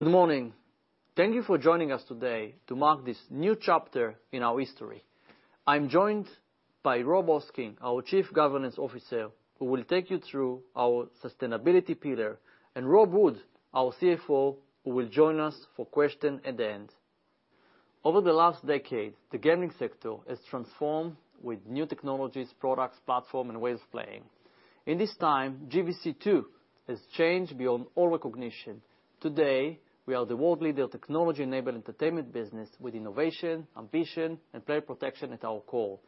Good morning. Thank you for joining us today to mark this new chapter in our history. I'm joined by Rob Hoskin, our Chief Governance Officer, who will take you through our sustainability pillar, and Rob Wood, our CFO, who will join us for questions at the end. Over the last decade, the gaming sector has transformed with new technologies, products, platforms, and ways of playing. In this time, GVC, too, has changed beyond all recognition. Today, we are the world-leading technology-enabled entertainment business with innovation, ambition, and player protection at our core.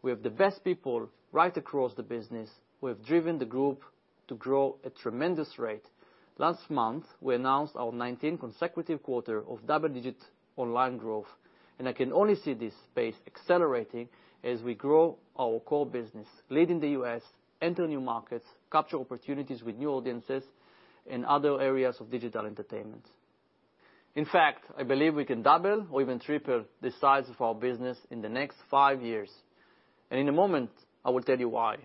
We have the best people right across the business who have driven the group to grow at tremendous rates. Last month, we announced our 19th consecutive quarter of double-digit online growth, and I can only see this pace accelerating as we grow our core business, leading the U.S. into new markets, capturing opportunities with new audiences, and other areas of digital entertainment. In fact, I believe we can double or even triple the size of our business in the next five years. And in a moment, I will tell you why.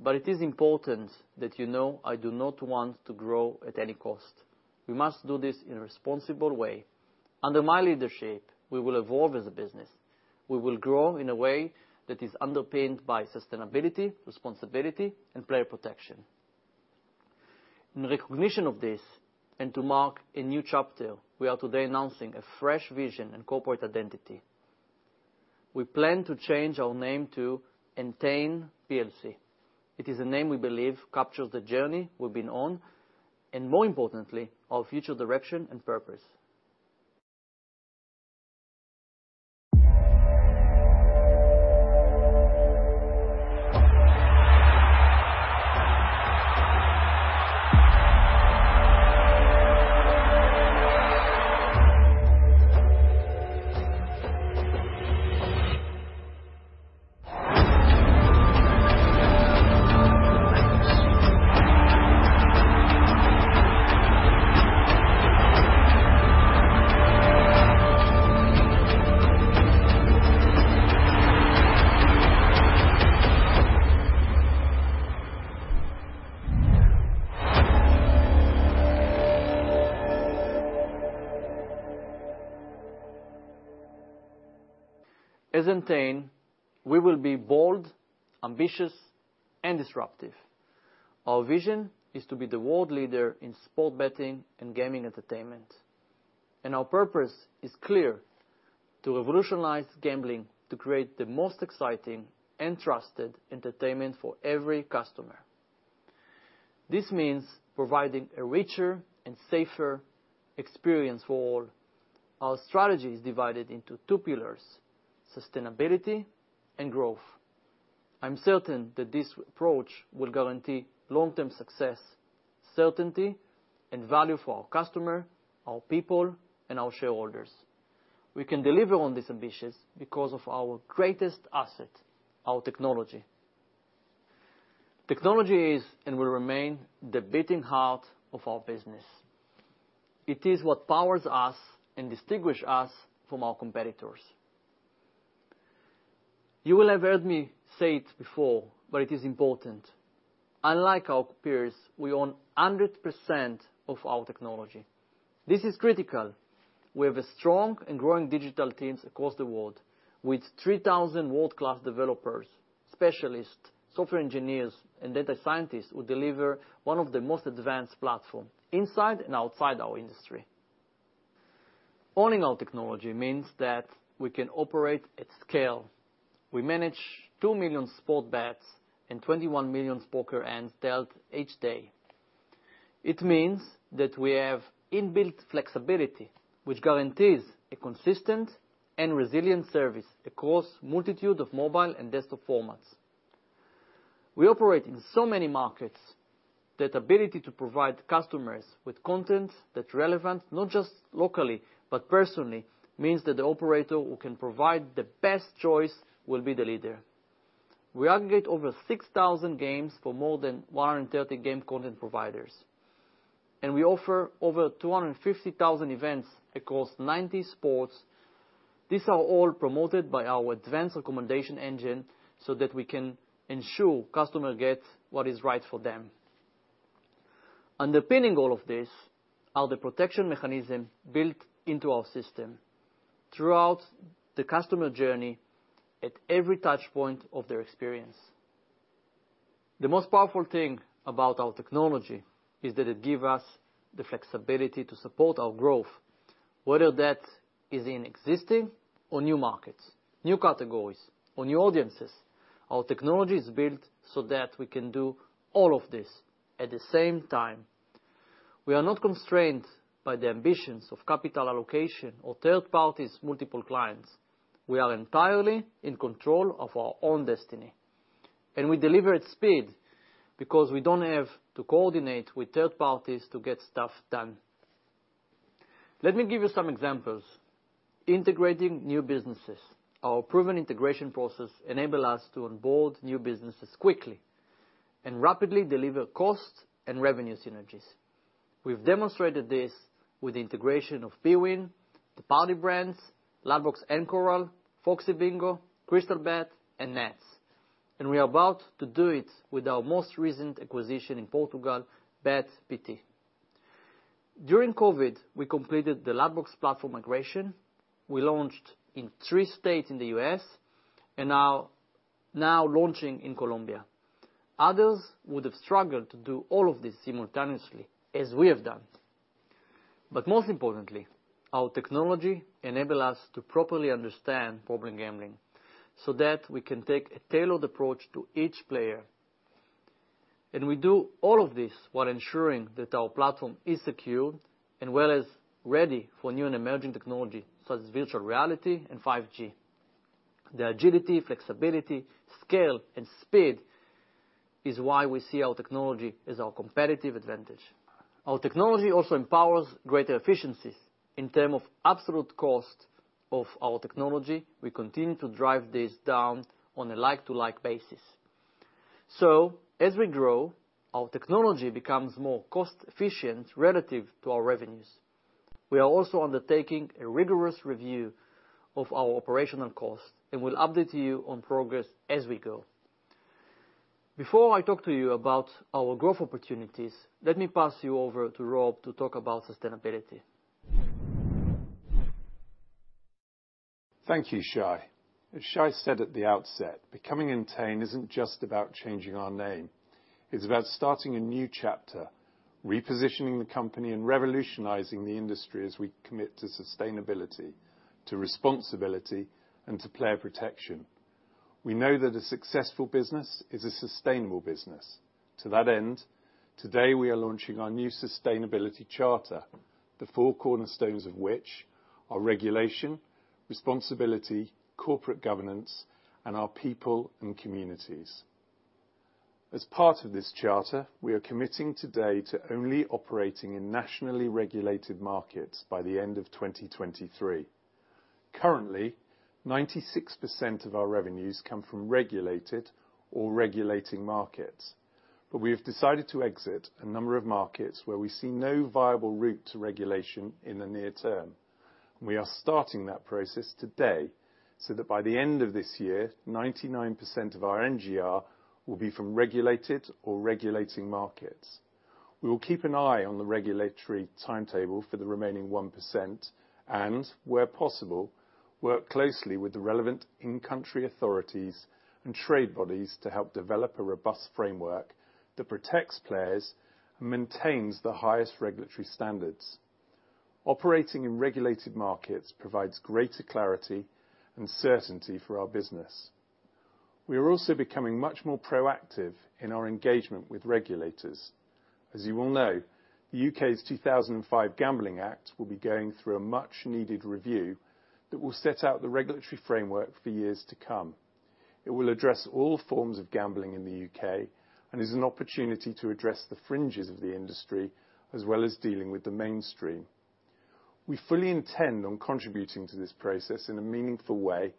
But it is important that you know I do not want to grow at any cost. We must do this in a responsible way. Under my leadership, we will evolve as a business. We will grow in a way that is underpinned by sustainability, responsibility, and player protection. In recognition of this, and to mark a new chapter, we are today announcing a fresh vision and corporate identity. We plan to change our name to Entain PLC. It is a name we believe captures the journey we've been on, and more importantly, our future direction and purpose. As Entain, we will be bold, ambitious, and disruptive. Our vision is to be the world leader in sports betting and gaming entertainment. And our purpose is clear: to revolutionize gambling to create the most exciting and trusted entertainment for every customer. This means providing a richer and safer experience for all. Our strategy is divided into two pillars: sustainability and growth. I'm certain that this approach will guarantee long-term success, certainty, and value for our customers, our people, and our shareholders. We can deliver on this ambition because of our greatest asset, our technology. Technology is and will remain the beating heart of our business. It is what powers us and distinguishes us from our competitors. You will have heard me say it before, but it is important. Unlike our peers, we own 100% of our technology. This is critical. We have strong and growing digital teams across the world with 3,000 world-class developers, specialists, software engineers, and data scientists who deliver one of the most advanced platforms inside and outside our industry. Owning our technology means that we can operate at scale. We manage 2 million sports bets and 21 million poker hands dealt each day. It means that we have inbuilt flexibility, which guarantees a consistent and resilient service across a multitude of mobile and desktop formats. We operate in so many markets that the ability to provide customers with content that's relevant not just locally, but personally, means that the operator who can provide the best choice will be the leader. We aggregate over 6,000 games for more than 130 game content providers, and we offer over 250,000 events across 90 sports. These are all promoted by our advanced recommendation engine so that we can ensure customers get what is right for them. Underpinning all of this are the protection mechanisms built into our system throughout the customer journey at every touchpoint of their experience. The most powerful thing about our technology is that it gives us the flexibility to support our growth, whether that is in existing or new markets, new categories, or new audiences. Our technology is built so that we can do all of this at the same time. We are not constrained by the ambitions of capital allocation or third-party multiple clients. We are entirely in control of our own destiny. And we deliver at speed because we don't have to coordinate with third parties to get stuff done. Let me give you some examples. Integrating new businesses, our proven integration process enables us to onboard new businesses quickly and rapidly deliver cost and revenue synergies. We've demonstrated this with the integration of bwin, the Party brands, Ladbrokes and Coral, Foxy Bingo, Crystalbet, and Neds. And we are about to do it with our most recent acquisition in Portugal, Bet.pt. During COVID, we completed the Ladbrokes platform migration. We launched in three states in the U.S. and are now launching in Colombia. Others would have struggled to do all of this simultaneously, as we have done. But most importantly, our technology enables us to properly understand problem gambling so that we can take a tailored approach to each player. And we do all of this while ensuring that our platform is secure as well as ready for new and emerging technologies such as virtual reality and 5G. The agility, flexibility, scale, and speed is why we see our technology as our competitive advantage. Our technology also empowers greater efficiencies. In terms of absolute cost of our technology, we continue to drive this down on a like-for-like basis. So as we grow, our technology becomes more cost-efficient relative to our revenues. We are also undertaking a rigorous review of our operational costs and will update you on progress as we go. Before I talk to you about our growth opportunities, let me pass you over to Rob to talk about sustainability. Thank you, Shay. As Shay said at the outset, becoming Entain isn't just about changing our name. It's about starting a new chapter, repositioning the company, and revolutionizing the industry as we commit to sustainability, to responsibility, and to player protection. We know that a successful business is a sustainable business. To that end, today we are launching our new sustainability charter, the four cornerstones of which are regulation, responsibility, corporate governance, and our people and communities. As part of this charter, we are committing today to only operating in nationally regulated markets by the end of 2023. Currently, 96% of our revenues come from regulated or regulating markets. But we have decided to exit a number of markets where we see no viable route to regulation in the near term. We are starting that process today so that by the end of this year, 99% of our NGR will be from regulated or regulating markets. We will keep an eye on the regulatory timetable for the remaining 1% and, where possible, work closely with the relevant in-country authorities and trade bodies to help develop a robust framework that protects players and maintains the highest regulatory standards. Operating in regulated markets provides greater clarity and certainty for our business. We are also becoming much more proactive in our engagement with regulators. As you will know, the U.K.'s 2005 Gambling Act will be going through a much-needed review that will set out the regulatory framework for years to come. It will address all forms of gambling in the U.K. and is an opportunity to address the fringes of the industry as well as dealing with the mainstream. We fully intend on contributing to this process in a meaningful way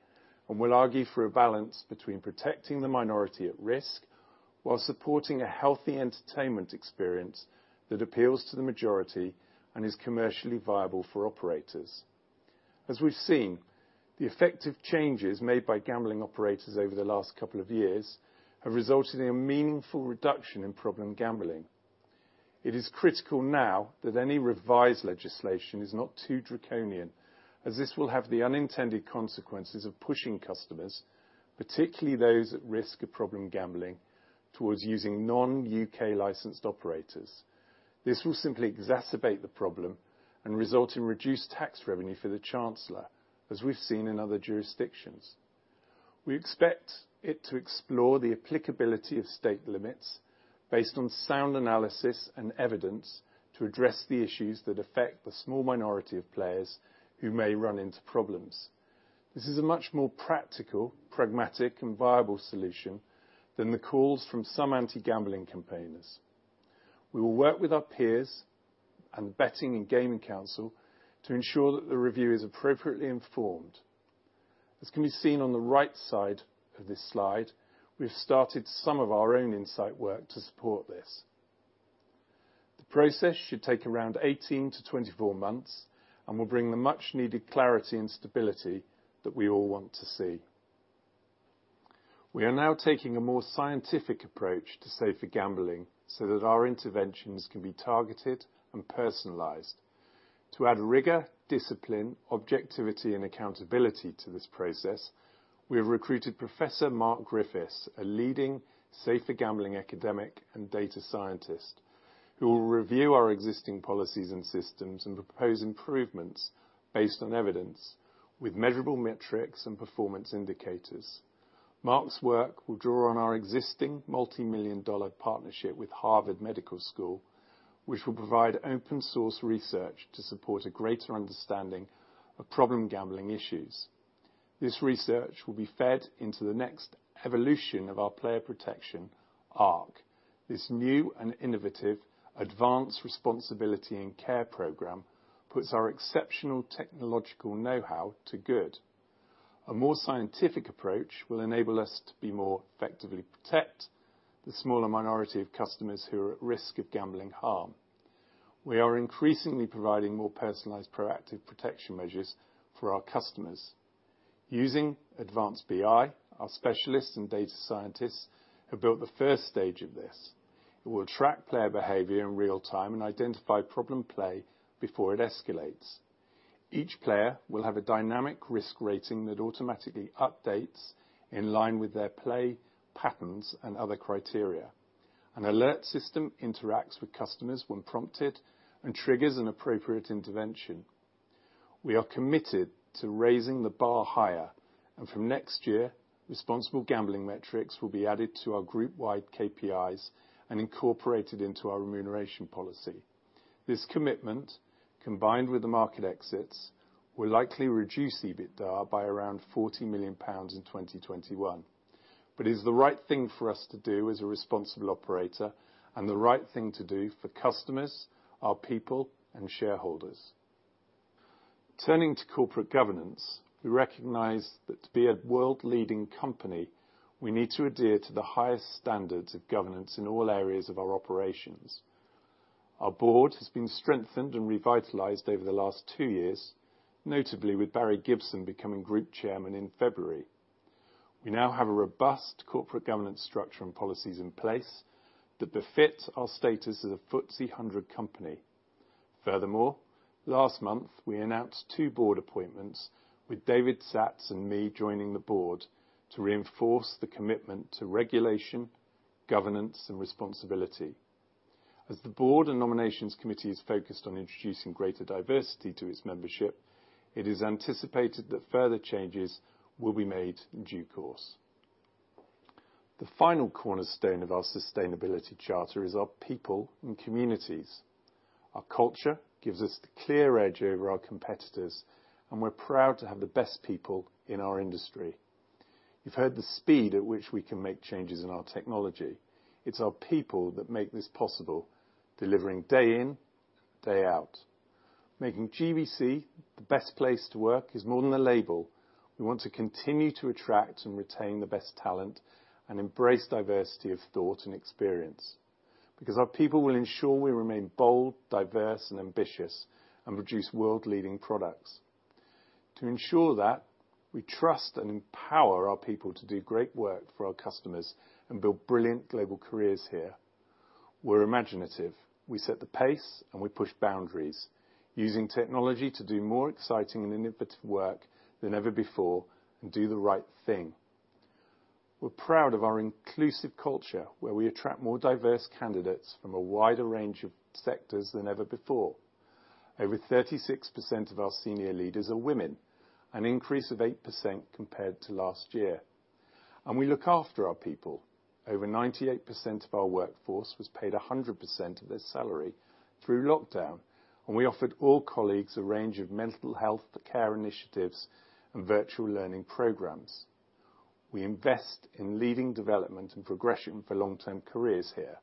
and will argue for a balance between protecting the minority at risk while supporting a healthy entertainment experience that appeals to the majority and is commercially viable for operators. As we've seen, the effective changes made by gambling operators over the last couple of years have resulted in a meaningful reduction in problem gambling. It is critical now that any revised legislation is not too draconian, as this will have the unintended consequences of pushing customers, particularly those at risk of problem gambling, towards using non-U.K. licensed operators. This will simply exacerbate the problem and result in reduced tax revenue for the Chancellor, as we've seen in other jurisdictions. We expect it to explore the applicability of stake limits based on sound analysis and evidence to address the issues that affect the small minority of players who may run into problems. This is a much more practical, pragmatic, and viable solution than the calls from some anti-gambling campaigners. We will work with our peers and the Betting and Gaming Council to ensure that the review is appropriately informed. As can be seen on the right side of this slide, we have started some of our own insight work to support this. The process should take around 18-24 months and will bring the much-needed clarity and stability that we all want to see. We are now taking a more scientific approach to safer gambling so that our interventions can be targeted and personalized. To add rigor, discipline, objectivity, and accountability to this process, we have recruited Professor Mark Griffiths, a leading safer gambling academic and data scientist, who will review our existing policies and systems and propose improvements based on evidence with measurable metrics and performance indicators. Mark's work will draw on our existing multi-million dollar partnership with Harvard Medical School, which will provide open-source research to support a greater understanding of problem gambling issues. This research will be fed into the next evolution of our player protection ARC. This new and innovative Advanced Responsibility and Care program puts our exceptional technological know-how to good. A more scientific approach will enable us to more effectively protect the smaller minority of customers who are at risk of gambling harm. We are increasingly providing more personalized proactive protection measures for our customers. Using advanced BI, our specialists and data scientists have built the first stage of this. It will track player behavior in real time and identify problem play before it escalates. Each player will have a dynamic risk rating that automatically updates in line with their play patterns and other criteria. An alert system interacts with customers when prompted and triggers an appropriate intervention. We are committed to raising the bar higher, and from next year, responsible gambling metrics will be added to our group-wide KPIs and incorporated into our remuneration policy. This commitment, combined with the market exits, will likely reduce EBITDA by around 40 million pounds in 2021, but it is the right thing for us to do as a responsible operator and the right thing to do for customers, our people, and shareholders. Turning to corporate governance, we recognize that to be a world-leading company, we need to adhere to the highest standards of governance in all areas of our operations. Our board has been strengthened and revitalized over the last two years, notably with Barry Gibson becoming Group Chairman in February. We now have a robust corporate governance structure and policies in place that befit our status as a FTSE 100 company. Furthermore, last month, we announced two board appointments with David Satz and me joining the board to reinforce the commitment to regulation, governance, and responsibility. As the board and nominations committee is focused on introducing greater diversity to its membership, it is anticipated that further changes will be made in due course. The final cornerstone of our sustainability charter is our people and communities. Our culture gives us the clear edge over our competitors, and we're proud to have the best people in our industry. You've heard the speed at which we can make changes in our technology. It's our people that make this possible, delivering day in, day out. Making GVC the best place to work is more than a label. We want to continue to attract and retain the best talent and embrace diversity of thought and experience because our people will ensure we remain bold, diverse, and ambitious and produce world-leading products. To ensure that, we trust and empower our people to do great work for our customers and build brilliant global careers here. We're imaginative. We set the pace, and we push boundaries, using technology to do more exciting and innovative work than ever before and do the right thing. We're proud of our inclusive culture, where we attract more diverse candidates from a wider range of sectors than ever before. Over 36% of our senior leaders are women, an increase of 8% compared to last year, and we look after our people. Over 98% of our workforce was paid 100% of their salary through lockdown, and we offered all colleagues a range of mental health care initiatives and virtual learning programs. We invest in leading development and progression for long-term careers here,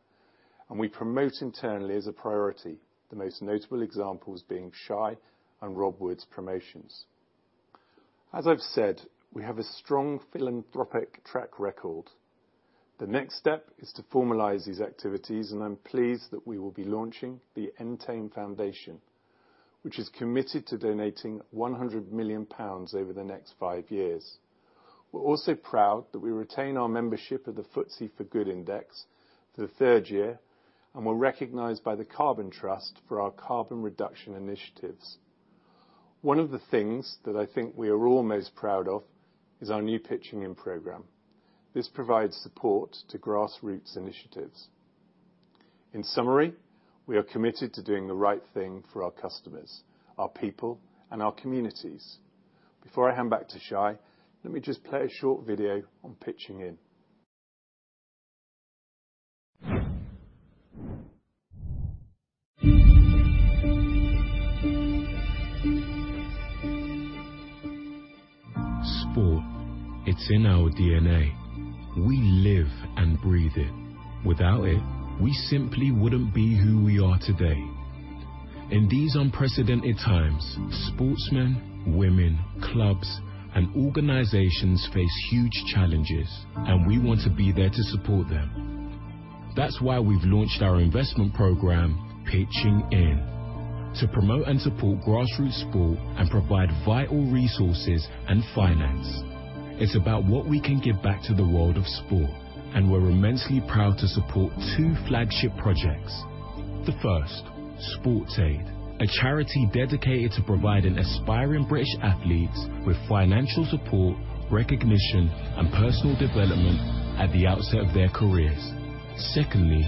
and we promote internally as a priority, the most notable examples being Shay and Rob Wood's promotions. As I've said, we have a strong philanthropic track record. The next step is to formalize these activities, and I'm pleased that we will be launching the Entain Foundation, which is committed to donating 100 million pounds over the next five years. We're also proud that we retain our membership of the FTSE4Good Index for the third year and were recognized by the Carbon Trust for our carbon reduction initiatives. One of the things that I think we are all most proud of is our new Pitching In program. This provides support to grassroots initiatives. In summary, we are committed to doing the right thing for our customers, our people, and our communities. Before I hand back to Shay, let me just play a short video on Pitching In. Sport, it's in our DNA. We live and breathe it. Without it, we simply wouldn't be who we are today. In these unprecedented times, sportsmen, women, clubs, and organizations face huge challenges, and we want to be there to support them. That's why we've launched our investment program, Pitching In, to promote and support grassroots sport and provide vital resources and finance. It's about what we can give back to the world of sport, and we're immensely proud to support two flagship projects. The first, SportsAid, a charity dedicated to providing aspiring British athletes with financial support, recognition, and personal development at the outset of their careers. Secondly,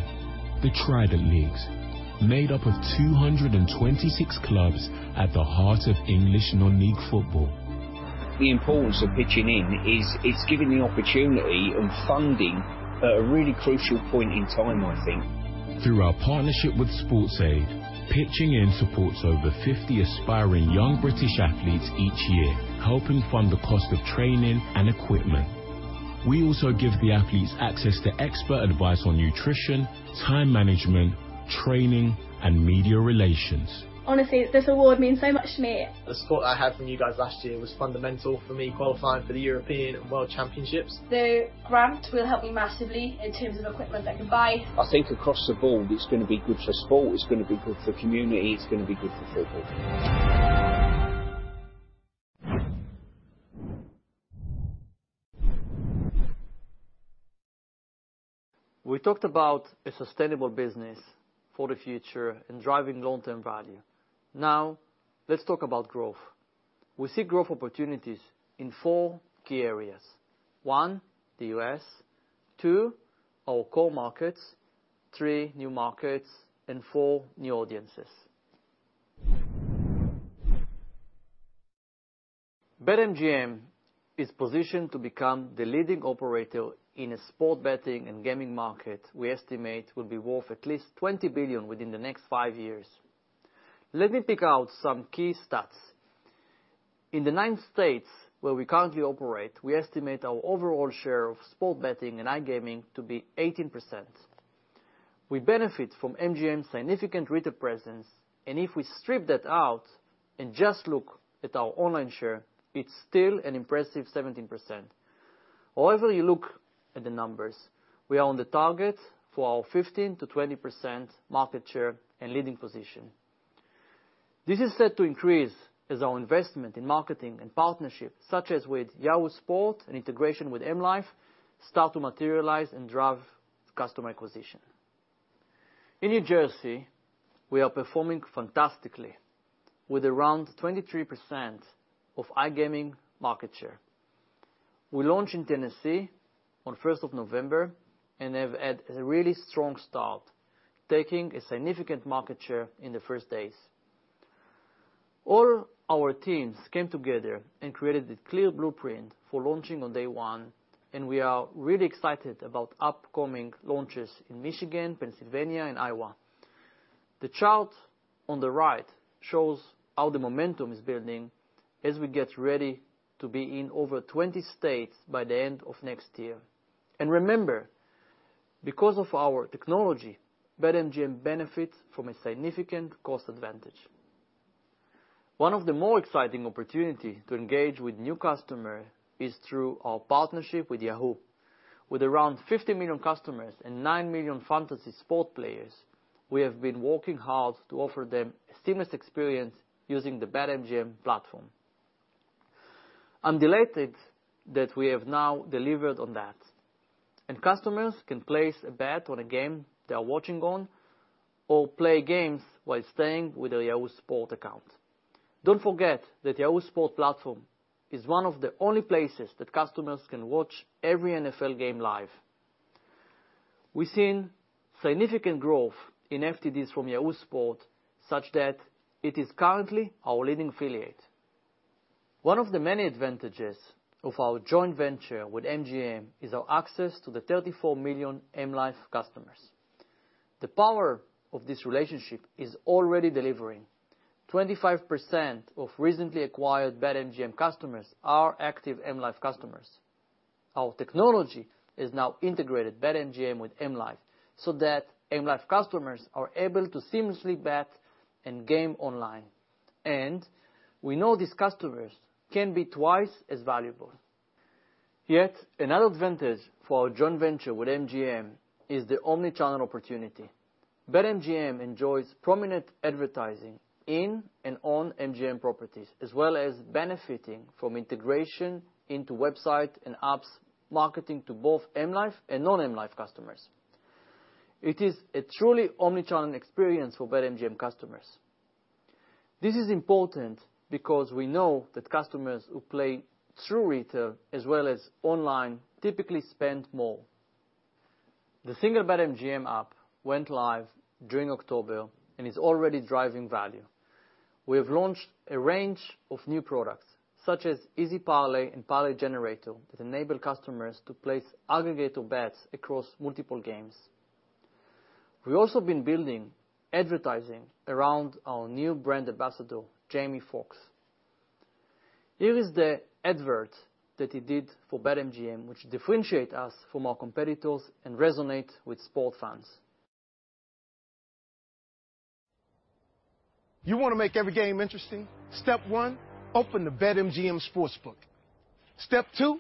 the Trident Leagues, made up of 226 clubs at the heart of English non-league football. The importance of Pitching In is it's given the opportunity and funding at a really crucial point in time, I think. Through our partnership with SportsAid, Pitching In supports over 50 aspiring young British athletes each year, helping fund the cost of training and equipment. We also give the athletes access to expert advice on nutrition, time management, training, and media relations. Honestly, this award means so much to me. The support I had from you guys last year was fundamental for me qualifying for the European and World Championships. The grant will help me massively in terms of equipment I can buy.I think across the board, it's going to be good for sport. It's going to be good for community. It's going to be good for football. We talked about a sustainable business for the future and driving long-term value. Now, let's talk about growth. We see growth opportunities in four key areas. One, the U.S. Two, our core markets. Three, new markets and four, new audiences. BetMGM is positioned to become the leading operator in a sports betting and gaming market we estimate will be worth at least $20 billion within the next five years. Let me pick out some key stats. In the nine states where we currently operate, we estimate our overall share of sports betting and iGaming to be 18%. We benefit from MGM's significant retail presence, and if we strip that out and just look at our online share, it's still an impressive 17%. However you look at the numbers, we are on the target for our 15%-20% market share and leading position. This is set to increase as our investment in marketing and partnerships, such as with Yahoo Sports and integration with M life, start to materialize and drive customer acquisition. In New Jersey, we are performing fantastically with around 23% of iGaming market share. We launched in Tennessee on the 1st of November and have had a really strong start, taking a significant market share in the first days. All our teams came together and created a clear blueprint for launching on day one, and we are really excited about upcoming launches in Michigan, Pennsylvania, and Iowa. The chart on the right shows how the momentum is building as we get ready to be in over 20 states by the end of next year. And remember, because of our technology, BetMGM benefits from a significant cost advantage. One of the more exciting opportunities to engage with new customers is through our partnership with Yahoo Sports. With around 50 million customers and nine million fantasy sport players, we have been working hard to offer them a seamless experience using the BetMGM platform. I'm delighted that we have now delivered on that, and customers can place a bet on a game they are watching on or play games while staying with a Yahoo Sports account. Don't forget that the Yahoo Sports platform is one of the only places that customers can watch every NFL game live. We've seen significant growth in FTDs from Yahoo Sports, such that it is currently our leading affiliate. One of the many advantages of our joint venture with MGM is our access to the 34 million M life customers. The power of this relationship is already delivering. 25% of recently acquired BetMGM customers are active M life customers. Our technology has now integrated BetMGM with M life so that M life customers are able to seamlessly bet and game online. And we know these customers can be twice as valuable. Yet another advantage for our joint venture with MGM is the omnichannel opportunity. BetMGM enjoys prominent advertising in and on MGM properties, as well as benefiting from integration into website and apps marketing to both M life and non-M life customers. It is a truly omnichannel experience for BetMGM customers. This is important because we know that customers who play through retail as well as online typically spend more. The single BetMGM app went live during October and is already driving value. We have launched a range of new products, such as Easy Parlay and Parlay Generator, that enable customers to place accumulator bets across multiple games. We've also been building advertising around our new brand ambassador, Jamie Foxx. Here is the advert that he did for BetMGM, which differentiates us from our competitors and resonates with sport fans. You want to make every game interesting? Step one, open the BetMGM Sportsbook. Step two,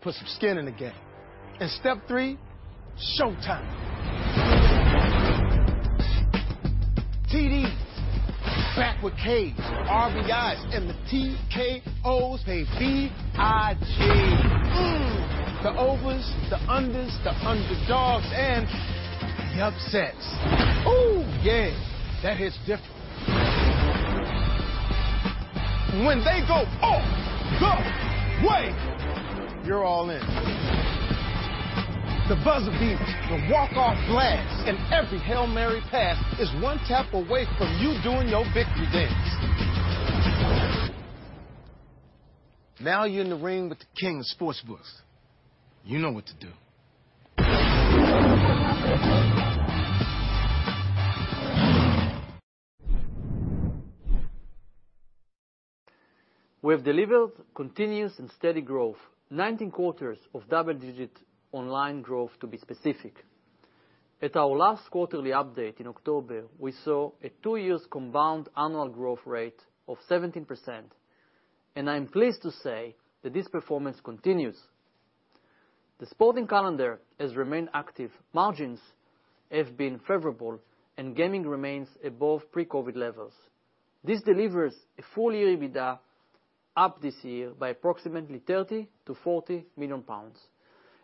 put some skin in the game. And step three, showtime. TDs, back with K's, RBIs, and the TKOs. Hey, B-I-G. The overs, the unders, the underdogs, and the upsets. Ooh, yeah, that hits different. When they go, "Oh, go!" You're all in. The buzzer beeps, the walk-off blasts, and every Hail Mary pass is one tap away from you doing your victory dance. Now you're in the ring with the king of sportsbooks. You know what to do. We have delivered continuous and steady growth, 19 quarters of double-digit online growth, to be specific. At our last quarterly update in October, we saw a two-year compound annual growth rate of 17%, and I'm pleased to say that this performance continues. The sporting calendar has remained active. Margins have been favorable, and gaming remains above pre-COVID levels. This delivers a full-year EBITDA up this year by approximately 30-40 million pounds,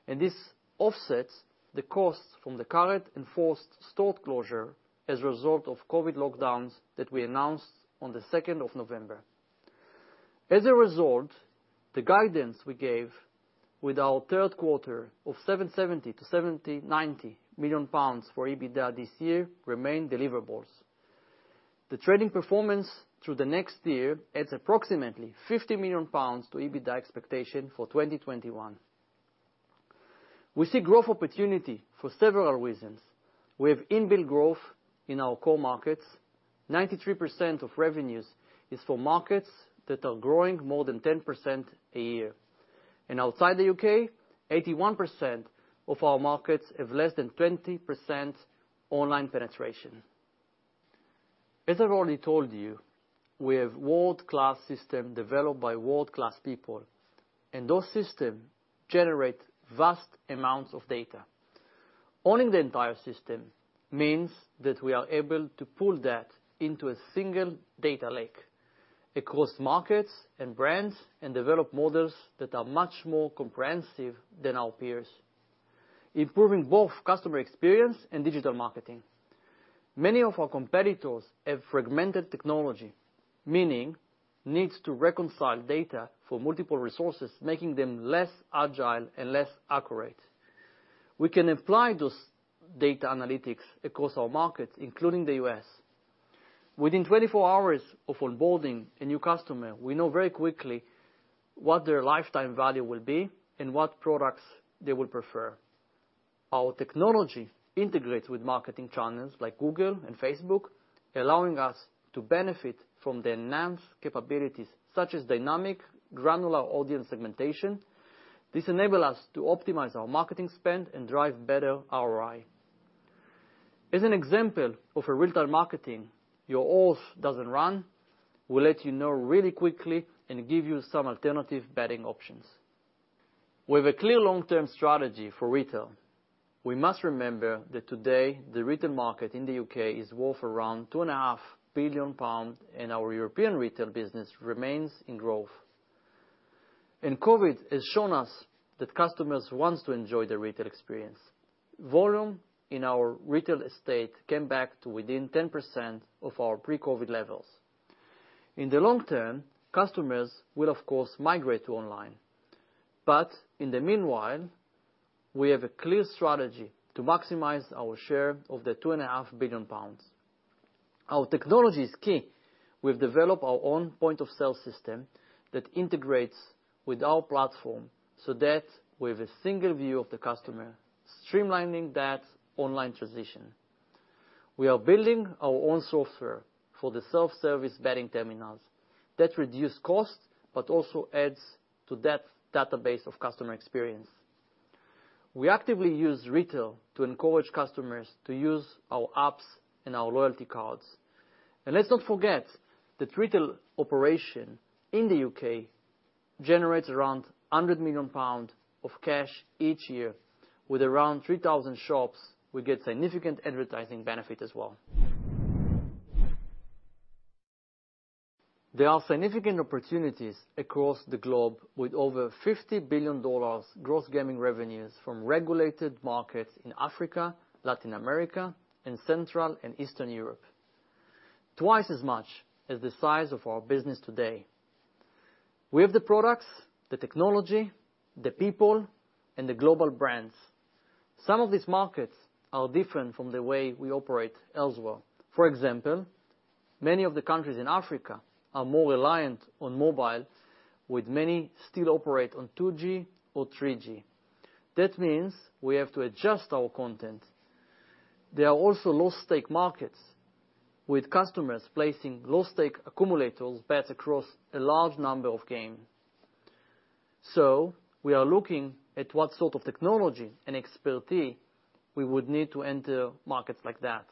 and this offsets the costs from the current enforced store closure as a result of COVID lockdowns that we announced on the 2nd of November. As a result, the guidance we gave with our third quarter of 770-790 million pounds for EBITDA this year remains deliverable. The trading performance through the next year adds approximately 50 million pounds to EBITDA expectation for 2021. We see growth opportunity for several reasons. We have in-built growth in our core markets. 93% of revenues is from markets that are growing more than 10% a year. Outside the U.K., 81% of our markets have less than 20% online penetration. As I've already told you, we have a world-class system developed by world-class people, and those systems generate vast amounts of data. Owning the entire system means that we are able to pull that into a single data lake across markets and brands and develop models that are much more comprehensive than our peers, improving both customer experience and digital marketing. Many of our competitors have fragmented technology, meaning needs to reconcile data for multiple resources, making them less agile and less accurate. We can apply those data analytics across our markets, including the U.S. Within 24 hours of onboarding a new customer, we know very quickly what their lifetime value will be and what products they will prefer. Our technology integrates with marketing channels like Google and Facebook, allowing us to benefit from the enhanced capabilities, such as dynamic granular audience segmentation. This enables us to optimize our marketing spend and drive better ROI. As an example of real-time marketing, your horse doesn't run. We'll let you know really quickly and give you some alternative betting options. We have a clear long-term strategy for retail. We must remember that today the retail market in the U.K. is worth around 2.5 billion pounds, and our European retail business remains in growth, and COVID has shown us that customers want to enjoy the retail experience. Volume in our retail estate came back to within 10% of our pre-COVID levels. In the long term, customers will, of course, migrate to online, but in the meanwhile, we have a clear strategy to maximize our share of the 2.5 billion pounds. Our technology is key. We've developed our own point-of-sale system that integrates with our platform so that we have a single view of the customer, streamlining that online transition. We are building our own software for the self-service betting terminals that reduce costs but also add to that database of customer experience. We actively use retail to encourage customers to use our apps and our loyalty cards. And let's not forget that retail operation in the U.K. generates around 100 million pounds of cash each year. With around 3,000 shops, we get significant advertising benefits as well. There are significant opportunities across the globe with over $50 billion gross gaming revenues from regulated markets in Africa, Latin America, and Central and Eastern Europe, twice as much as the size of our business today. We have the products, the technology, the people, and the global brands. Some of these markets are different from the way we operate elsewhere. For example, many of the countries in Africa are more reliant on mobile, with many still operating on 2G or 3G. That means we have to adjust our content. There are also low-stake markets, with customers placing low-stake accumulators bets across a large number of games. So we are looking at what sort of technology and expertise we would need to enter markets like that.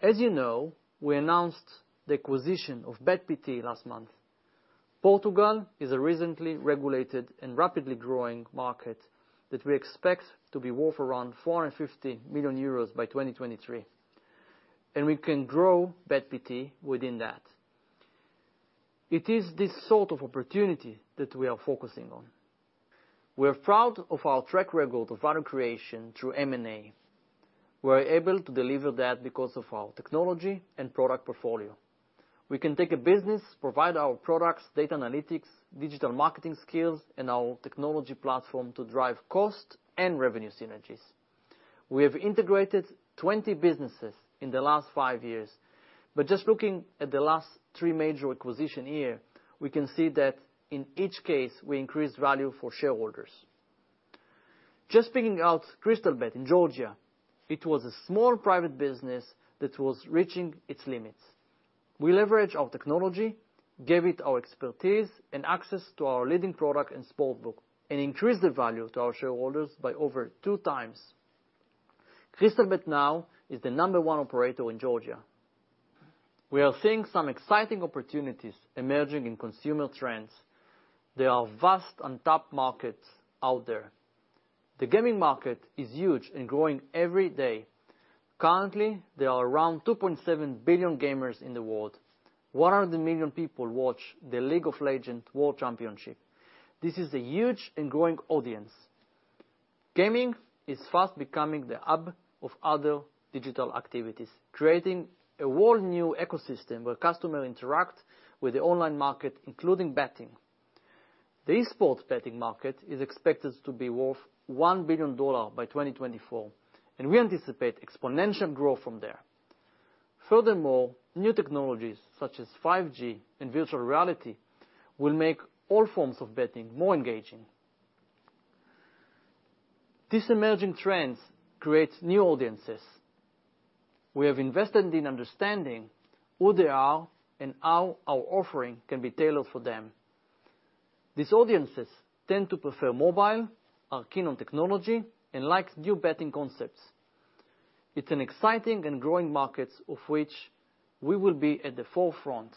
As you know, we announced the acquisition of Bet.pt last month. Portugal is a recently regulated and rapidly growing market that we expect to be worth around 450 million euros by 2023, and we can grow Bet.pt within that. It is this sort of opportunity that we are focusing on. We are proud of our track record of value creation through M&A. We are able to deliver that because of our technology and product portfolio. We can take a business, provide our products, data analytics, digital marketing skills, and our technology platform to drive cost and revenue synergies. We have integrated 20 businesses in the last five years. But just looking at the last three major acquisitions here, we can see that in each case, we increased value for shareholders. Just picking out Crystalbet in Georgia, it was a small private business that was reaching its limits. We leveraged our technology, gave it our expertise, and access to our leading product and sportsbook, and increased the value to our shareholders by over two times. Crystalbet now is the number one operator in Georgia. We are seeing some exciting opportunities emerging in consumer trends. There are vast and tough markets out there. The gaming market is huge and growing every day. Currently, there are around 2.7 billion gamers in the world. 100 million people watch the League of Legends World Championship. This is a huge and growing audience. Gaming is fast becoming the hub of other digital activities, creating a whole new ecosystem where customers interact with the online market, including betting. The esports betting market is expected to be worth $1 billion by 2024, and we anticipate exponential growth from there. Furthermore, new technologies such as 5G and virtual reality will make all forms of betting more engaging. These emerging trends create new audiences. We have invested in understanding who they are and how our offering can be tailored for them. These audiences tend to prefer mobile, are keen on technology, and like new betting concepts. It's an exciting and growing market of which we will be at the forefront.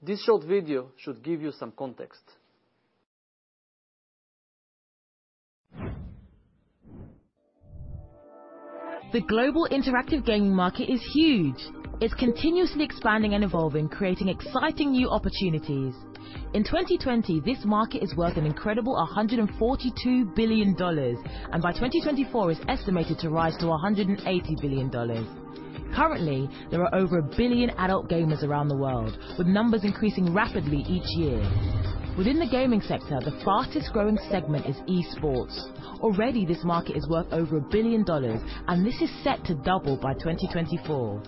This short video should give you some context. The global interactive gaming market is huge. It's continuously expanding and evolving, creating exciting new opportunities. In 2020, this market is worth an incredible $142 billion, and by 2024, it's estimated to rise to $180 billion. Currently, there are over a billion adult gamers around the world, with numbers increasing rapidly each year. Within the gaming sector, the fastest-growing segment is esports. Already, this market is worth over $1 billion, and this is set to double by 2024.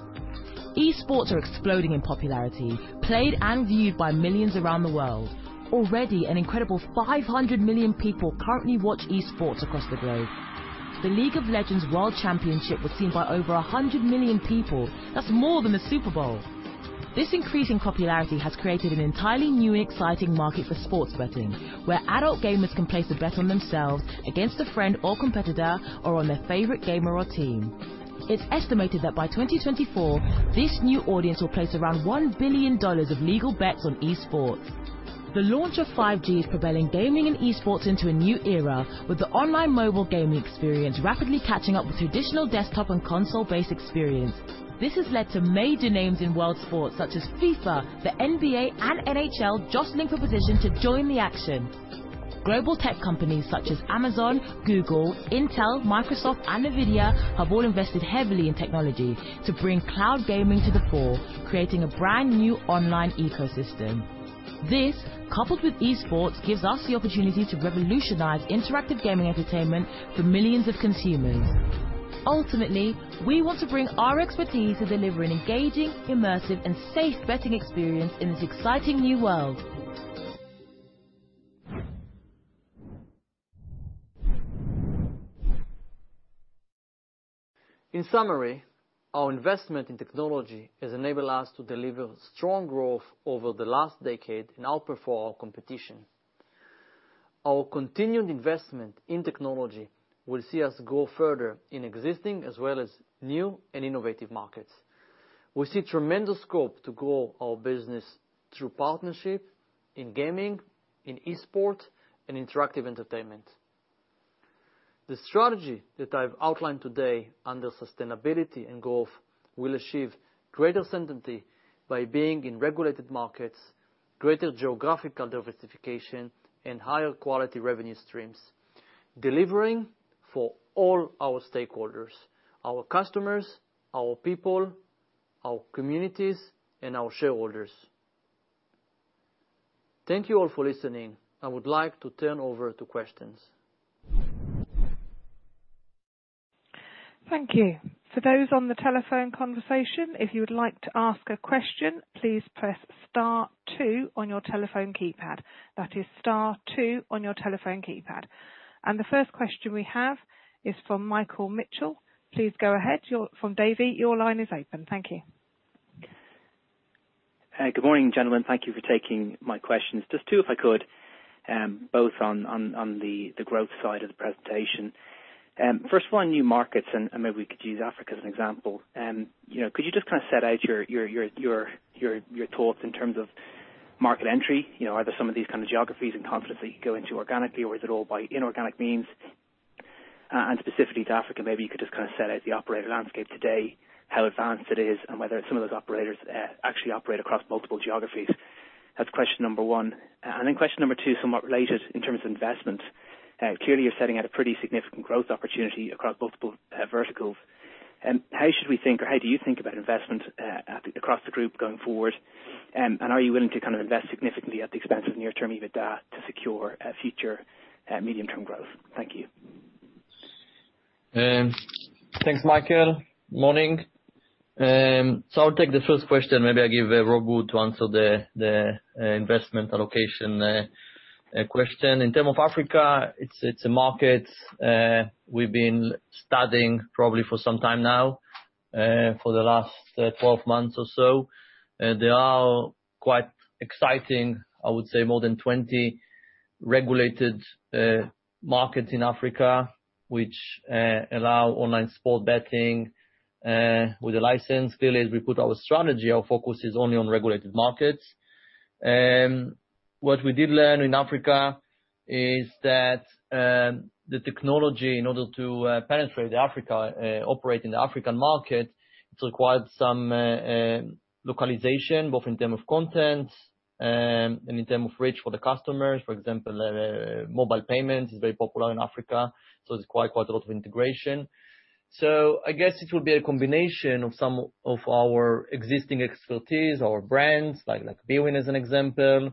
Esports are exploding in popularity, played and viewed by millions around the world. Already, an incredible 500 million people currently watch esports across the globe. The League of Legends World Championship was seen by over 100 million people. That's more than the Super Bowl. This increase in popularity has created an entirely new and exciting market for sports betting, where adult gamers can place a bet on themselves against a friend or competitor or on their favorite gamer or team. It's estimated that by 2024, this new audience will place around $1 billion of legal bets on esports. The launch of 5G is propelling gaming and esports into a new era, with the online mobile gaming experience rapidly catching up with traditional desktop and console-based experience. This has led to major names in world sports such as FIFA, the NBA, and NHL jostling for positions to join the action. Global tech companies such as Amazon, Google, Intel, Microsoft, and NVIDIA have all invested heavily in technology to bring cloud gaming to the fore, creating a brand new online ecosystem. This, coupled with esports, gives us the opportunity to revolutionize interactive gaming entertainment for millions of consumers. Ultimately, we want to bring our expertise to deliver an engaging, immersive, and safe betting experience in this exciting new world. In summary, our investment in technology has enabled us to deliver strong growth over the last decade and outperform our competition. Our continued investment in technology will see us grow further in existing as well as new and innovative markets. We see tremendous scope to grow our business through partnership in gaming, in esports, and interactive entertainment. The strategy that I've outlined today under sustainability and growth will achieve greater certainty by being in regulated markets, greater geographical diversification, and higher quality revenue streams, delivering for all our stakeholders: our customers, our people, our communities, and our shareholders. Thank you all for listening. I would like to turn over to questions. Thank you. For those on the telephone conversation, if you would like to ask a question, please press star two on your telephone keypad. That is star two on your telephone keypad. And the first question we have is from Michael Mitchell. Please go ahead. You're from Davy. Your line is open. Thank you. Good morning, gentlemen. Thank you for taking my questions. Just two, if I could, both on the growth side of the presentation. First of all, on new markets, and maybe we could use Africa as an example, could you just kind of set out your thoughts in terms of market entry? Are there some of these kind of geographies and confidence that you go into organically, or is it all by inorganic means? And specifically to Africa, maybe you could just kind of set out the operator landscape today, how advanced it is, and whether some of those operators actually operate across multiple geographies. That's question number one. And then question number two, somewhat related in terms of investment. Clearly, you're setting out a pretty significant growth opportunity across multiple verticals. How should we think, or how do you think about investment across the group going forward? Are you willing to kind of invest significantly at the expense of near-term EBITDA to secure future medium-term growth? Thank you. Thanks, Michael. Morning. So I'll take the first question. Maybe I'll give a broad answer to the investment allocation question. In terms of Africa, it's a market we've been studying probably for some time now, for the last 12 months or so. There are quite exciting, I would say, more than 20 regulated markets in Africa which allow online sports betting with a license. Clearly, as we put our strategy, our focus is only on regulated markets. What we did learn in Africa is that the technology, in order to penetrate Africa, operate in the African market, it's required some localization, both in terms of content and in terms of reach for the customers. For example, mobile payments is very popular in Africa, so there's quite a lot of integration. So I guess it will be a combination of some of our existing expertise, our brands, like bwin as an example,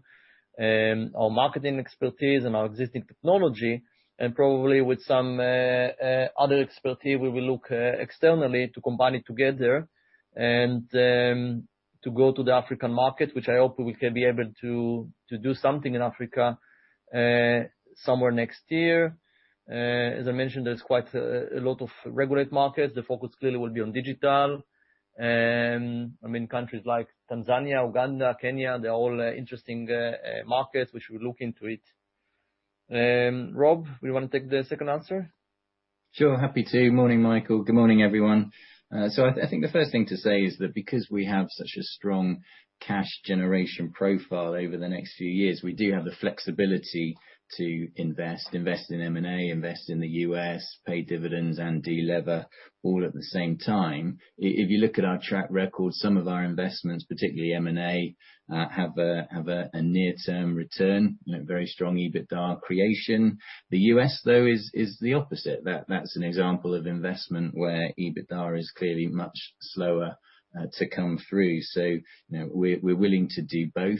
our marketing expertise, and our existing technology. And probably with some other expertise, we will look externally to combine it together and to go to the African market, which I hope we can be able to do something in Africa somewhere next year. As I mentioned, there's quite a lot of regulated markets. The focus clearly will be on digital. I mean, countries like Tanzania, Uganda, Kenya, they're all interesting markets, which we'll look into it. Rob, do you want to take the second answer? Sure. Happy to. Morning, Michael. Good morning, everyone. So I think the first thing to say is that because we have such a strong cash generation profile over the next few years, we do have the flexibility to invest, invest in M&A, invest in the U.S., pay dividends, and delever all at the same time. If you look at our track record, some of our investments, particularly M&A, have a near-term return, very strong EBITDA creation. The U.S., though, is the opposite. That's an example of investment where EBITDA is clearly much slower to come through. So we're willing to do both,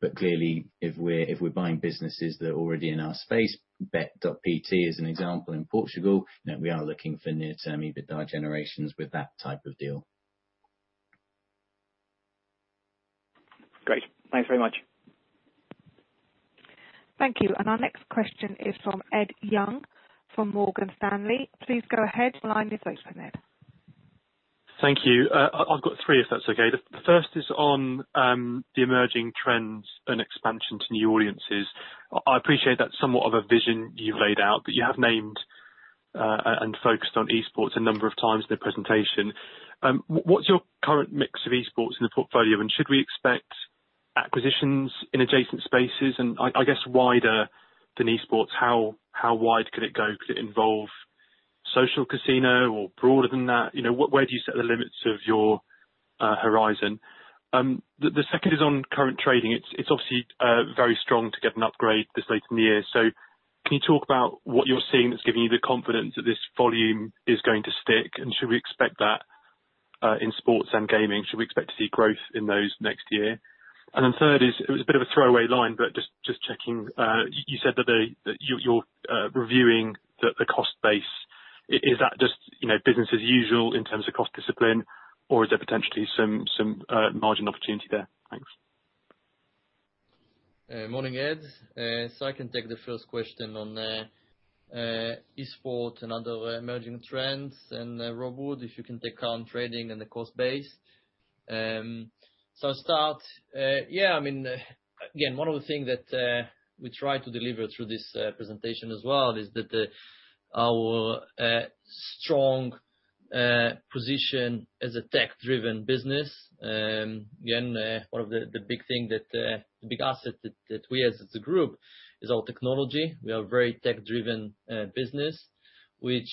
but clearly, if we're buying businesses that are already in our space, Bet.pt is an example in Portugal. We are looking for near-term EBITDA generations with that type of deal. Great. Thanks very much. Thank you. And our next question is from Ed Young from Morgan Stanley. Please go ahead. Line is open there. Thank you. I've got three if that's okay. The first is on the emerging trends and expansion to new audiences. I appreciate that somewhat of a vision you've laid out, but you have named and focused on esports a number of times in the presentation. What's your current mix of esports in the portfolio, and should we expect acquisitions in adjacent spaces? And I guess wider than esports, how wide could it go? Could it involve social casino or broader than that? Where do you set the limits of your horizon? The second is on current trading. It's obviously very strong to get an upgrade this late in the year. So can you talk about what you're seeing that's giving you the confidence that this volume is going to stick? And should we expect that in sports and gaming? Should we expect to see growth in those next year? And then third is, it was a bit of a throwaway line, but just checking, you said that you're reviewing the cost base. Is that just business as usual in terms of cost discipline, or is there potentially some margin opportunity there? Thanks. Morning, Ed. So I can take the first question on esports and other emerging trends, and Rob Wood, if you can take online trading and the cost base. So I'll start. Yeah, I mean, again, one of the things that we try to deliver through this presentation as well is that our strong position as a tech-driven business. Again, one of the big things that the big asset that we have as a group is our technology. We are a very tech-driven business, which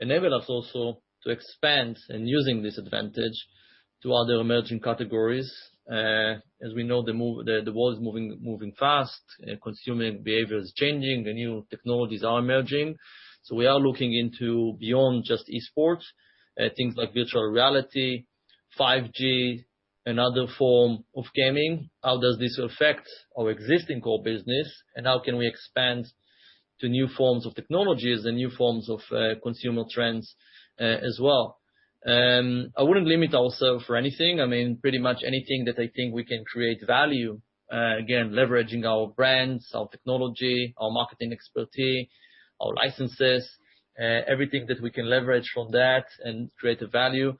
enables us also to expand and use this advantage to other emerging categories. As we know, the world is moving fast. Consumer behavior is changing. The new technologies are emerging. So we are looking into beyond just esports, things like virtual reality, 5G, another form of gaming. How does this affect our existing core business, and how can we expand to new forms of technologies and new forms of consumer trends as well? I wouldn't limit ourselves for anything. I mean, pretty much anything that I think we can create value, again, leveraging our brands, our technology, our marketing expertise, our licenses, everything that we can leverage from that and create a value,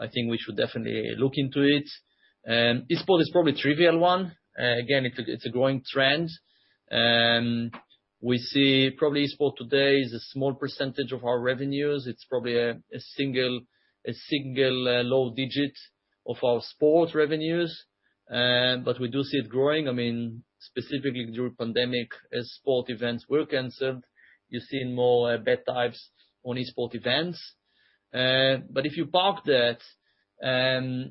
I think we should definitely look into it. Esports is probably a trivial one. Again, it's a growing trend. We see probably esports today is a small percentage of our revenues. It's probably a single low digit of our sports revenues, but we do see it growing. I mean, specifically during the pandemic, as sport events were canceled, you're seeing more bets on esports events. But if you park that, esports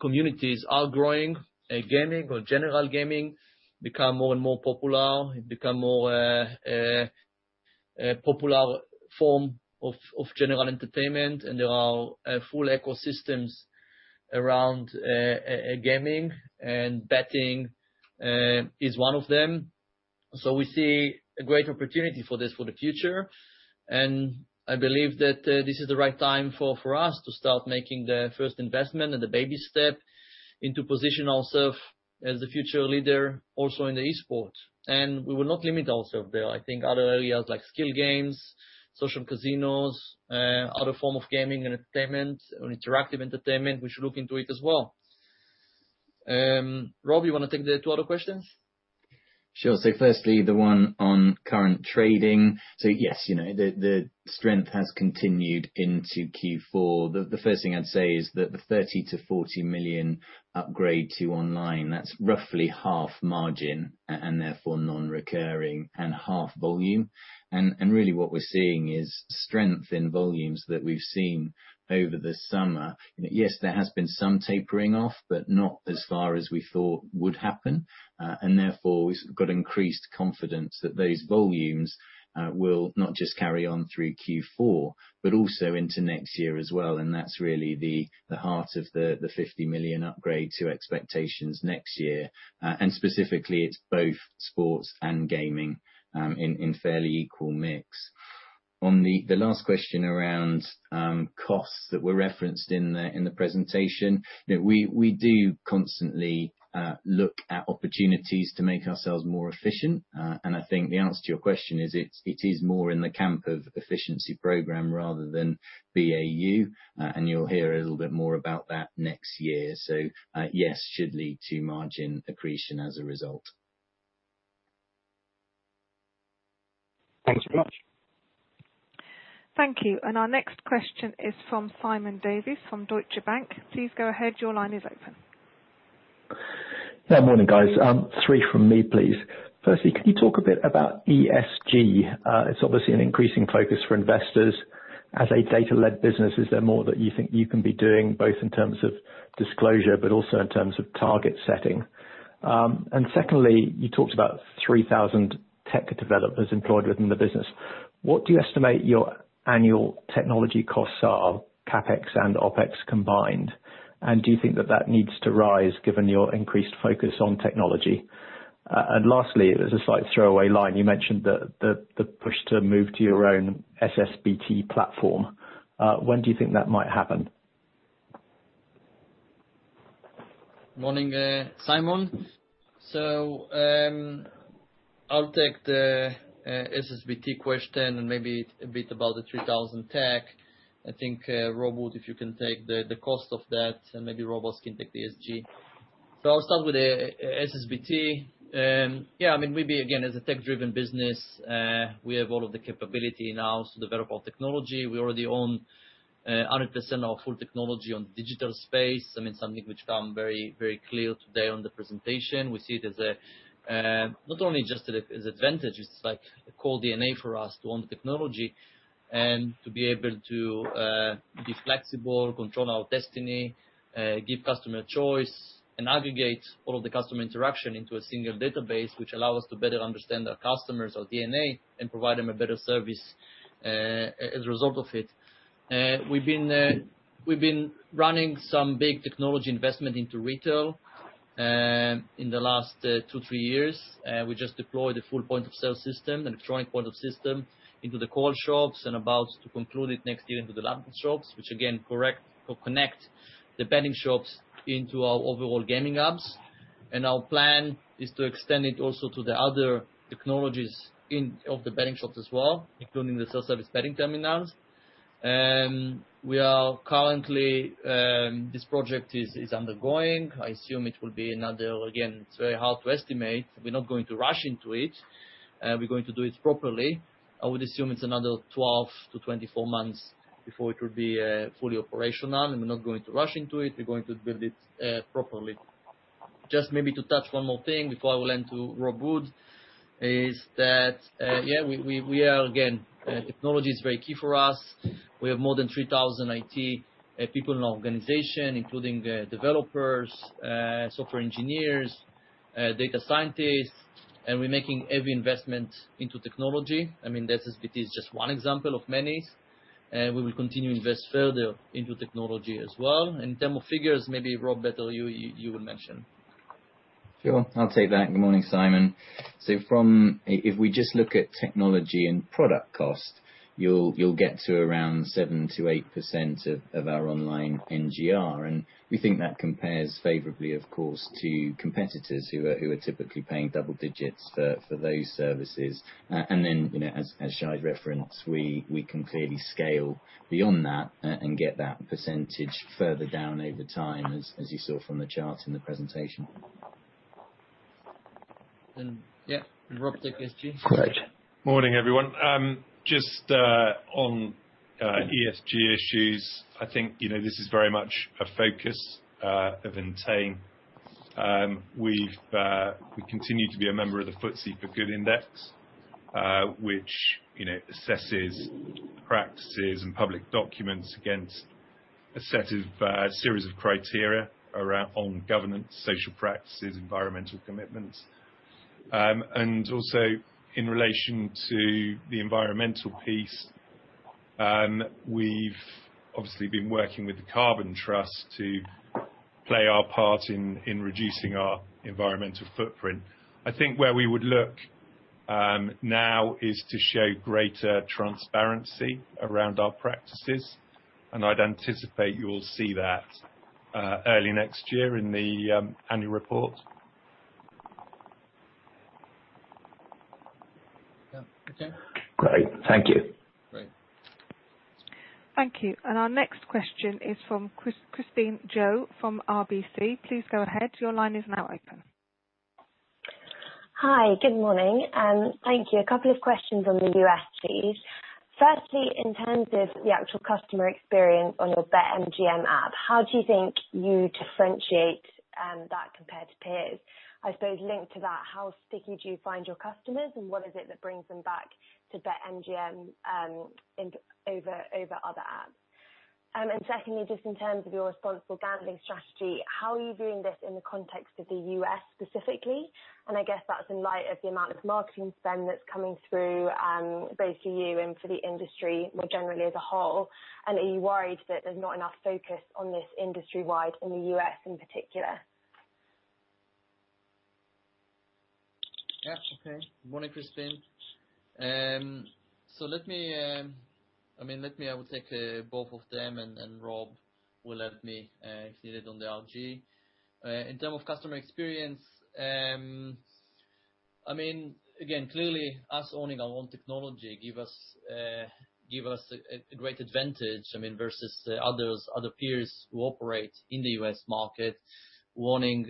communities are growing. Gaming or general gaming becomes more and more popular. It becomes a more popular form of general entertainment, and there are full ecosystems around gaming, and betting is one of them. So we see a great opportunity for this for the future. And I believe that this is the right time for us to start making the first investment and the baby step into positioning ourselves as a future leader also in the esports. And we will not limit ourselves there. I think other areas like skill games, social casinos, other forms of gaming and entertainment, or interactive entertainment, we should look into it as well. Rob, do you want to take the two other questions? Sure. So firstly, the one on current trading. So yes, the strength has continued into Q4. The first thing I'd say is that the £30-40 million upgrade to online, that's roughly half margin and therefore non-recurring and half volume. And really what we're seeing is strength in volumes that we've seen over the summer. Yes, there has been some tapering off, but not as far as we thought would happen. And therefore, we've got increased confidence that those volumes will not just carry on through Q4, but also into next year as well. And that's really the heart of the £50 million upgrade to expectations next year. And specifically, it's both sports and gaming in a fairly equal mix. On the last question around costs that were referenced in the presentation, we do constantly look at opportunities to make ourselves more efficient. I think the answer to your question is it is more in the camp of efficiency program rather than BAU. You'll hear a little bit more about that next year. Yes, it should lead to margin accretion as a result. Thanks very much. Thank you. And our next question is from Simon Davies from Deutsche Bank. Please go ahead. Your line is open. Yeah, morning, guys. Three from me, please. Firstly, can you talk a bit about ESG? It's obviously an increasing focus for investors. As a data-led business, is there more that you think you can be doing, both in terms of disclosure, but also in terms of target setting? And secondly, you talked about 3,000 tech developers employed within the business. What do you estimate your annual technology costs are, CapEx and OpEx combined? And do you think that that needs to rise given your increased focus on technology? And lastly, as a slight throwaway line, you mentioned the push to move to your own SSBT platform. When do you think that might happen? Morning, Simon. So I'll take the SSBT question and maybe a bit about the 3,000 tech. I think, Rob Wood, if you can take the cost of that, and maybe Rob Hoskin to take the ESG. So I'll start with the SSBT. Yeah, I mean, maybe again, as a tech-driven business, we have all of the capability now to develop our technology. We already own 100% of our full technology on the digital space. I mean, something which became very clear today on the presentation. We see it as not only just an advantage, it's like a core DNA for us to own the technology and to be able to be flexible, control our destiny, give customer choice, and aggregate all of the customer interaction into a single database, which allows us to better understand our customers, our DNA, and provide them a better service as a result of it. We've been running some big technology investment into retail in the last two, three years. We just deployed a full point-of-sale system, an electronic point-of-sale system, into the Coral shops and about to conclude it next year into the Ladbrokes shops, which again connect the betting shops into our overall gaming hubs, and our plan is to extend it also to the other technologies of the betting shops as well, including the self-service betting terminals. This project is ongoing. I assume it will be another. It's very hard to estimate. We're not going to rush into it. We're going to do it properly. I would assume it's another 12 to 24 months before it will be fully operational. And we're not going to rush into it. We're going to build it properly. Just maybe to touch one more thing before I hand over to Rob Wood is that, yeah, we are, technology is very key for us. We have more than 3,000 IT people in our organization, including developers, software engineers, data scientists. And we're making every investment into technology. I mean, the SSBT is just one example of many. And we will continue to invest further into technology as well. And in terms of figures, maybe Rob, you'd better mention. Sure. I'll take that. Good morning, Simon. So if we just look at technology and product cost, you'll get to around 7%-8% of our online NGR. And we think that compares favorably, of course, to competitors who are typically paying double digits for those services. And then, as Shay referenced, we can clearly scale beyond that and get that percentage further down over time, as you saw from the chart in the presentation. Yeah, Rob, take the ESG. Great. Morning, everyone. Just on ESG issues, I think this is very much a focus of Entain. We continue to be a member of the FTSE4Good Index, which assesses practices and public documents against a series of criteria around governance, social practices, environmental commitments. Also, in relation to the environmental piece, we've obviously been working with the Carbon Trust to play our part in reducing our environmental footprint. I think where we would look now is to show greater transparency around our practices. I'd anticipate you'll see that early next year in the annual report. Yeah. Okay. Great. Thank you. Great. Thank you. And our next question is from Christine Zhou from RBC. Please go ahead. Your line is now open. Hi, good morning. Thank you. A couple of questions on the U.S., please. Firstly, in terms of the actual customer experience on your BetMGM app, how do you think you differentiate that compared to peers? I suppose linked to that, how sticky do you find your customers, and what is it that brings them back to BetMGM over other apps? And secondly, just in terms of your responsible gambling strategy, how are you viewing this in the context of the U.S. specifically? And I guess that's in light of the amount of marketing spend that's coming through both for you and for the industry more generally as a whole. And are you worried that there's not enough focus on this industry-wide in the U.S. in particular? That's okay. Morning, Christine. So let me, I mean, let me take both of them, and Rob will lead me if needed on the RG. In terms of customer experience, I mean, again, clearly, us owning our own technology gives us a great advantage, I mean, versus other peers who operate in the U.S. market, owning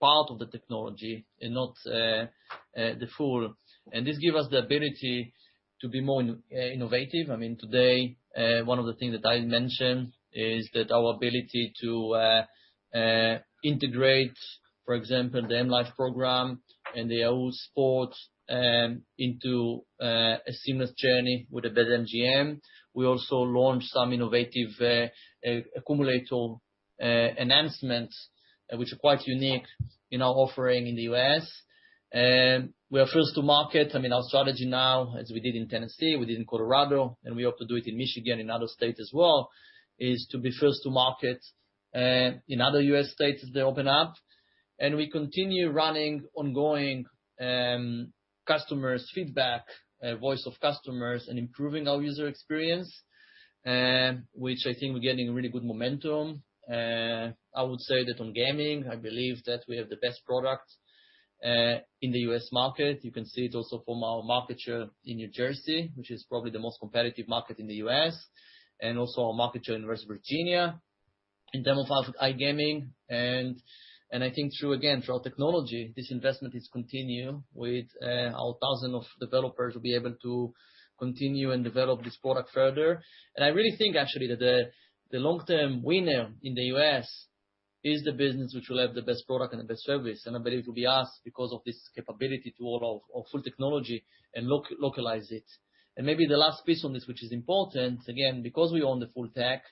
part of the technology and not the full. And this gives us the ability to be more innovative. I mean, today, one of the things that I mentioned is that our ability to integrate, for example, the M life program and the Yahoo Sports into a seamless journey with the BetMGM. We also launched some innovative accumulator enhancements, which are quite unique in our offering in the U.S. We are first to market. I mean, our strategy now, as we did in Tennessee, we did in Colorado, and we hope to do it in Michigan and other states as well, is to be first to market in other U.S. states as they open up, and we continue running ongoing customers' feedback, voice of customers, and improving our user experience, which I think we're getting really good momentum. I would say that on gaming, I believe that we have the best product in the U.S. market. You can see it also from our market share in New Jersey, which is probably the most competitive market in the U.S., and also our market share in West Virginia. In terms of iGaming, and I think, again, through our technology, this investment is continuing with our thousands of developers who will be able to continue and develop this product further. I really think, actually, that the long-term winner in the U.S. is the business which will have the best product and the best service. I believe it will be us because of this capability to own our full technology and localize it. Maybe the last piece on this, which is important, again, because we own the full tech,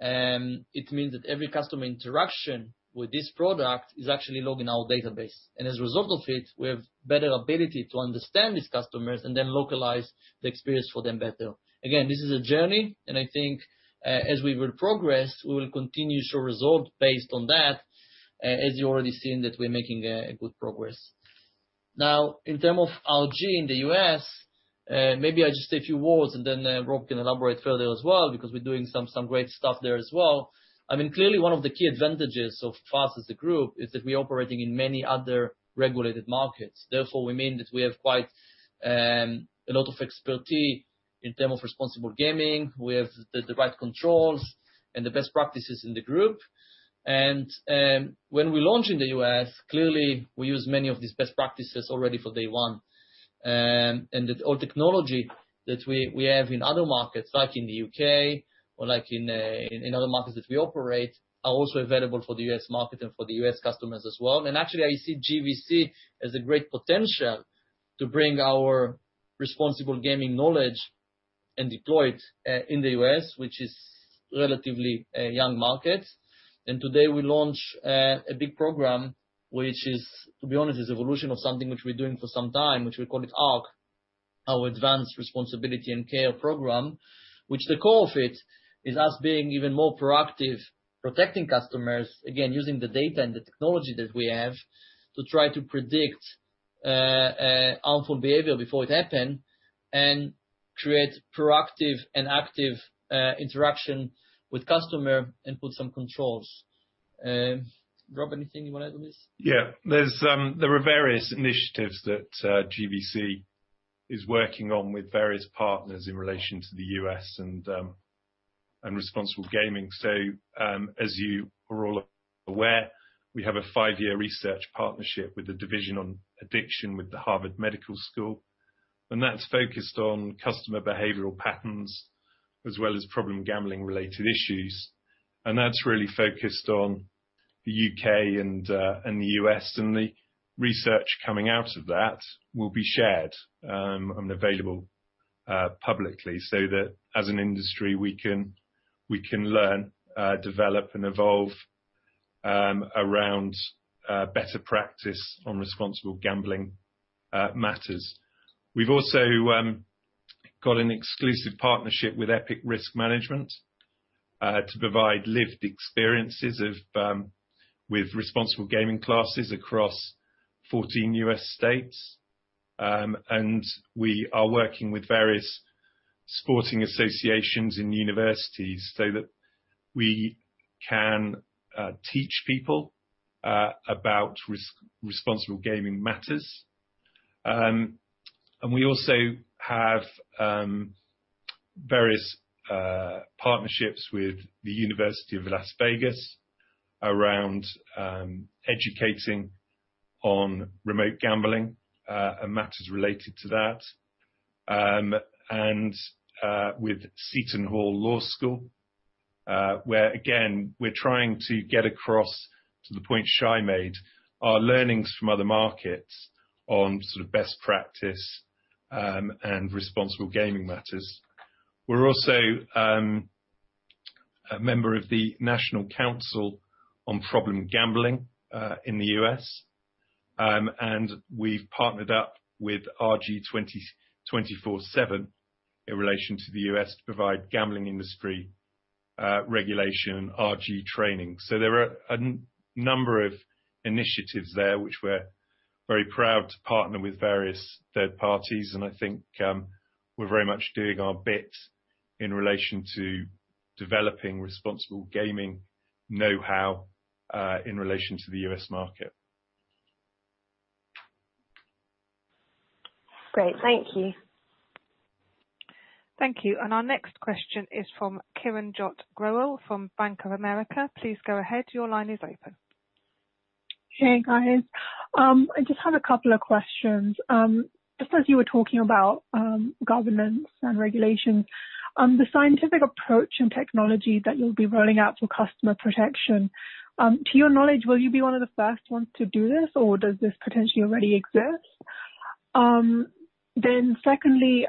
it means that every customer interaction with this product is actually logged in our database. As a result of it, we have better ability to understand these customers and then localize the experience for them better. Again, this is a journey. I think as we will progress, we will continue to show results based on that, as you're already seeing that we're making good progress. Now, in terms of RG in the U.S., maybe I'll just say a few words, and then Rob can elaborate further as well because we're doing some great stuff there as well. I mean, clearly, one of the key advantages of us as a group is that we're operating in many other regulated markets. Therefore, we mean that we have quite a lot of expertise in terms of responsible gaming. We have the right controls and the best practices in the group. And when we launch in the U.S., clearly, we use many of these best practices already for day one. And all technology that we have in other markets, like in the U.K. or in other markets that we operate, are also available for the U.S. market and for the U.S. customers as well. And actually, I see GVC as a great potential to bring our responsible gaming knowledge and deploy it in the U.S., which is a relatively young market. And today, we launched a big program, which is, to be honest, an evolution of something which we're doing for some time, which we call it ARC, our Advanced Responsibility and Care Program, which the core of it is us being even more proactive, protecting customers, again, using the data and the technology that we have to try to predict harmful behavior before it happens and create proactive and active interaction with customers and put some controls. Rob, anything you want to add on this? Yeah. There are various initiatives that GVC is working on with various partners in relation to the US and responsible gaming. So as you are all aware, we have a five-year research partnership with the Division on Addiction with the Harvard Medical School. And that's focused on customer behavioral patterns as well as problem gambling-related issues. And that's really focused on the U.K. and the U.S. And the research coming out of that will be shared and available publicly so that, as an industry, we can learn, develop, and evolve around better practice on responsible gambling matters. We've also got an exclusive partnership with Epic Risk Management to provide lived experiences with responsible gaming classes across 14 U.S. states. And we are working with various sporting associations and universities so that we can teach people about responsible gaming matters. We also have various partnerships with the University of Nevada, Las Vegas around educating on remote gambling and matters related to that, and with Seton Hall Law School, where, again, we're trying to get across, to the point Shay made, our learnings from other markets on sort of best practice and responsible gaming matters. We're also a member of the National Council on Problem Gambling in the U.S. And we've partnered up with RG24seven in relation to the U.S. to provide gambling industry regulation and RG training. So there are a number of initiatives there which we're very proud to partner with various third parties. And I think we're very much doing our bit in relation to developing responsible gaming know-how in relation to the U.S. market. Great. Thank you. Thank you. And our next question is from Kiranjot Grewal from Bank of America. Please go ahead. Your line is open. Hey, guys. I just have a couple of questions. Just as you were talking about governance and regulations, the scientific approach and technology that you'll be rolling out for customer protection, to your knowledge, will you be one of the first ones to do this, or does this potentially already exist? Then secondly,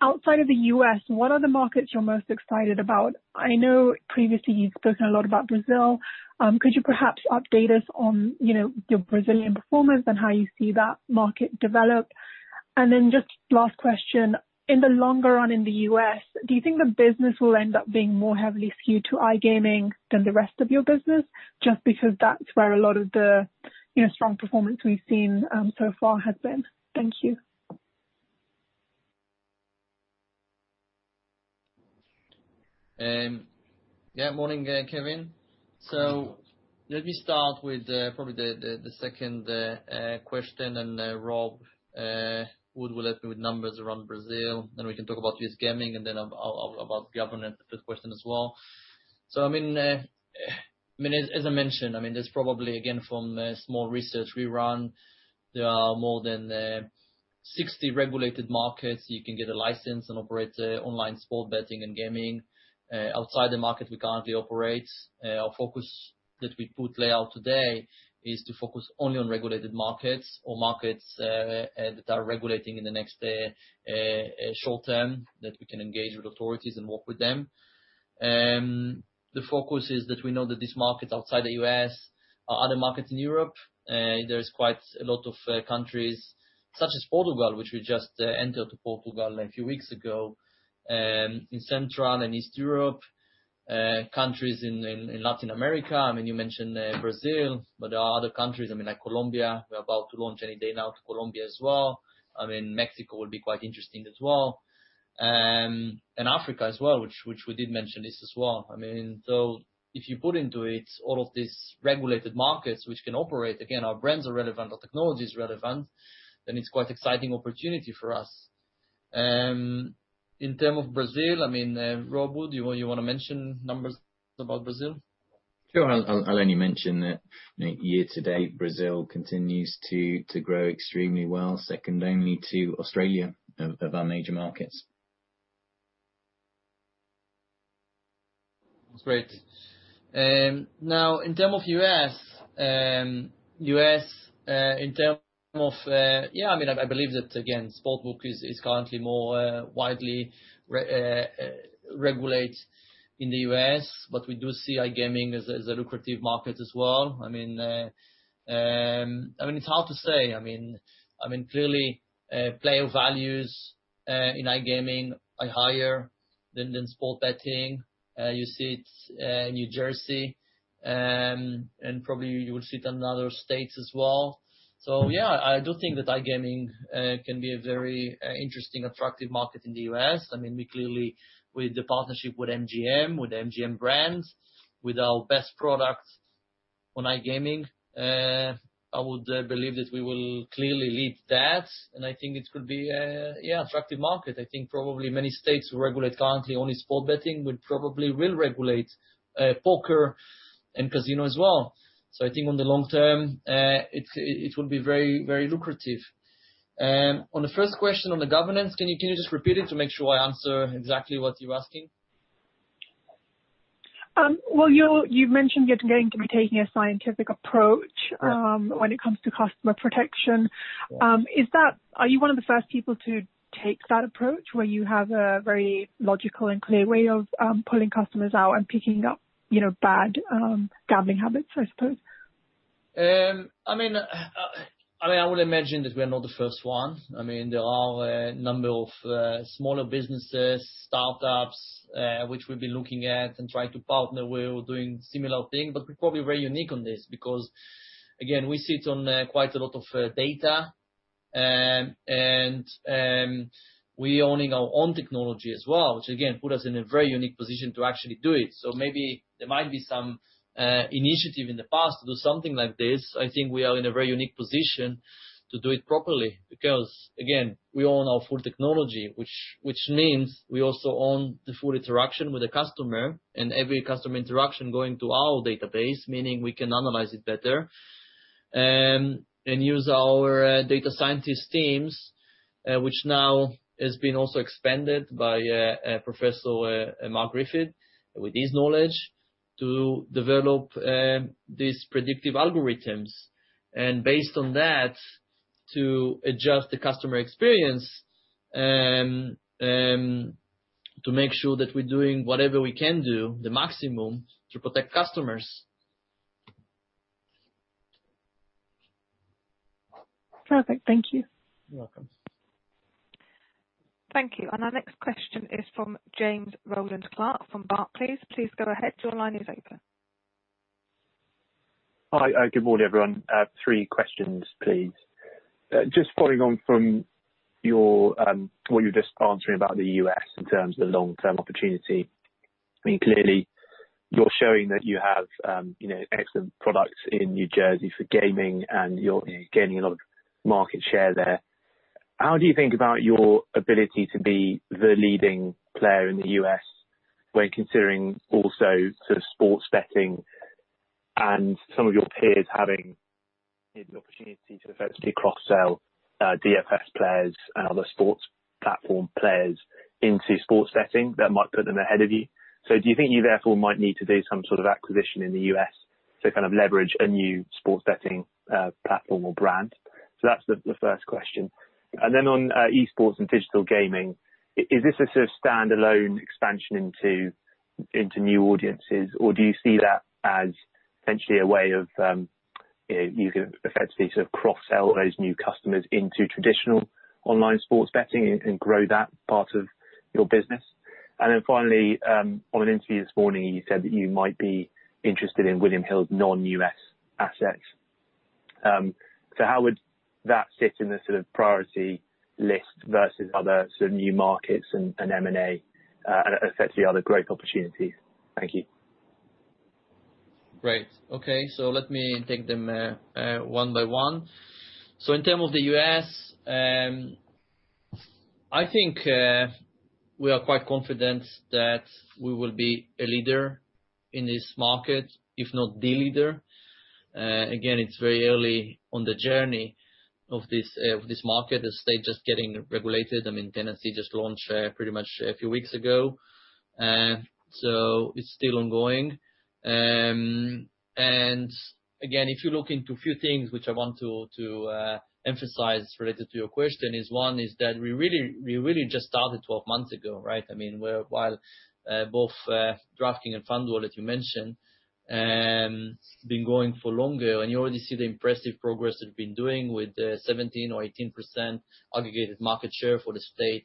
outside of the U.S., what are the markets you're most excited about? I know previously you've spoken a lot about Brazil. Could you perhaps update us on your Brazilian performance and how you see that market developed? And then just last question, in the longer run in the U.S., do you think the business will end up being more heavily skewed to iGaming than the rest of your business, just because that's where a lot of the strong performance we've seen so far has been? Thank you. Yeah. Morning, Kiran. So let me start with probably the second question. And Rob would let me with numbers around Brazil. Then we can talk about U.S. gaming and then about governance, the third question as well. So I mean, as I mentioned, I mean, there's probably, again, from small research we run, there are more than 60 regulated markets. You can get a license and operate online sport betting and gaming outside the market we currently operate. Our focus that we put lay out today is to focus only on regulated markets or markets that are regulating in the next short term that we can engage with authorities and work with them. The focus is that we know that these markets outside the U.S. are other markets in Europe. There's quite a lot of countries, such as Portugal, which we just entered Portugal a few weeks ago, in Central and Eastern Europe, countries in Latin America. I mean, you mentioned Brazil, but there are other countries, I mean, like Colombia. We're about to launch any day now to Colombia as well. I mean, Mexico will be quite interesting as well. And Africa as well, which we did mention this as well. I mean, so if you put into it all of these regulated markets, which can operate, again, our brands are relevant, our technology is relevant, then it's quite an exciting opportunity for us. In terms of Brazil, I mean, Rob, you want to mention numbers about Brazil? Sure. I'll only mention that year to date, Brazil continues to grow extremely well, second only to Australia of our major markets. That's great. Now, in terms of U.S., U.S. in terms of yeah, I mean, I believe that, again, sportsbook is currently more widely regulated in the U.S., but we do see iGaming as a lucrative market as well. I mean, it's hard to say. I mean, clearly, player values in iGaming are higher than sports betting. You see it in New Jersey, and probably you will see it in other states as well. So yeah, I do think that iGaming can be a very interesting, attractive market in the U.S. I mean, we clearly, with the partnership with MGM, with the MGM brand, with our best product on iGaming. I would believe that we will clearly lead that. And I think it could be, yeah, an attractive market. I think probably many states who regulate currently only sports betting would probably will regulate poker and casino as well. So I think on the long term, it will be very, very lucrative. On the first question on the governance, can you just repeat it to make sure I answer exactly what you're asking? You've mentioned you're going to be taking a scientific approach when it comes to customer protection. Are you one of the first people to take that approach where you have a very logical and clear way of pulling customers out and picking up bad gambling habits, I suppose? I mean, I would imagine that we are not the first one. I mean, there are a number of smaller businesses, startups, which we've been looking at and trying to partner with, doing similar things. But we're probably very unique on this because, again, we sit on quite a lot of data. And we're owning our own technology as well, which, again, puts us in a very unique position to actually do it. So maybe there might be some initiative in the past to do something like this. I think we are in a very unique position to do it properly because, again, we own our full technology, which means we also own the full interaction with the customer and every customer interaction going to our database, meaning we can analyze it better and use our data scientist teams, which now has been also expanded by Professor Mark Griffiths with his knowledge to develop these predictive algorithms, and based on that, to adjust the customer experience to make sure that we're doing whatever we can do, the maximum, to protect customers. Perfect. Thank you. You're welcome. Thank you. And our next question is from James Rowland-Clark from Barclays, please. Please go ahead. Your line is open. Hi. Good morning, everyone. Three questions, please. Just following on from what you were just answering about the U.S. in terms of the long-term opportunity. I mean, clearly, you're showing that you have excellent products in New Jersey for gaming, and you're gaining a lot of market share there. How do you think about your ability to be the leading player in the U.S. when considering also sort of sports betting and some of your peers having the opportunity to effectively cross-sell DFS players and other sports platform players into sports betting that might put them ahead of you? So do you think you, therefore, might need to do some sort of acquisition in the U.S. to kind of leverage a new sports betting platform or brand? So that's the first question. And then on esports and digital gaming, is this a sort of standalone expansion into new audiences, or do you see that as essentially a way of you can effectively sort of cross-sell those new customers into traditional online sports betting and grow that part of your business? And then finally, on an interview this morning, you said that you might be interested in William Hill's non-U.S. assets. So how would that sit in the sort of priority list versus other sort of new markets and M&A and effectively other growth opportunities? Thank you. Great. Okay. So let me take them one by one. So in terms of the U.S., I think we are quite confident that we will be a leader in this market, if not the leader. Again, it's very early on the journey of this market. The states just getting regulated. I mean, Tennessee just launched pretty much a few weeks ago. So it's still ongoing. And again, if you look into a few things, which I want to emphasize related to your question, one is that we really just started 12 months ago, right? I mean, while both DraftKings and FanDuel, as you mentioned, have been going for longer. You already see the impressive progress that we've been doing with 17% or 18% aggregated market share for the state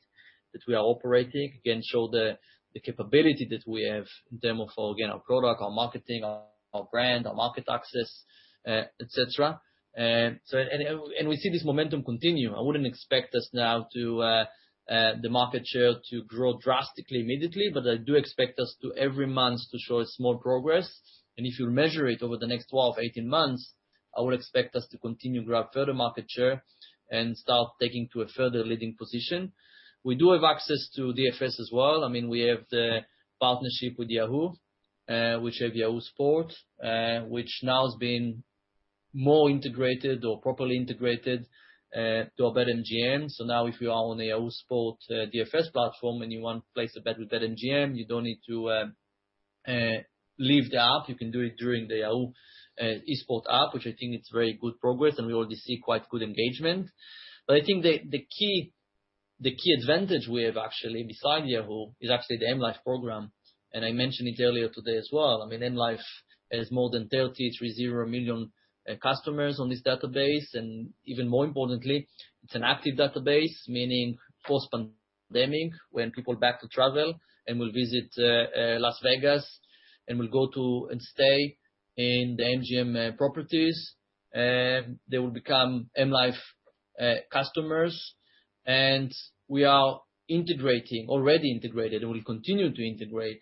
that we are operating. Again, show the capability that we have in terms of, again, our product, our marketing, our brand, our market access, etc. We see this momentum continue. I wouldn't expect us now to the market share to grow drastically immediately, but I do expect us every month to show a small progress. If you measure it over the next 12-18 months, I would expect us to continue to grab further market share and start taking to a further leading position. We do have access to DFS as well. I mean, we have the partnership with Yahoo, which has Yahoo Sports, which now has been more integrated or properly integrated to our BetMGM. So now, if you are on a Yahoo Sports DFS platform and you want to place a bet with BetMGM, you don't need to leave the app. You can do it during the Yahoo Sports app, which I think is very good progress, and we already see quite good engagement. But I think the key advantage we have actually beside Yahoo is actually the M life program. And I mentioned it earlier today as well. I mean, M life has more than 330 million customers on this database. And even more importantly, it's an active database, meaning post-pandemic, when people are back to travel and will visit Las Vegas and will go to and stay in the MGM properties, they will become M life customers. We are integrating, already integrated, and will continue to integrate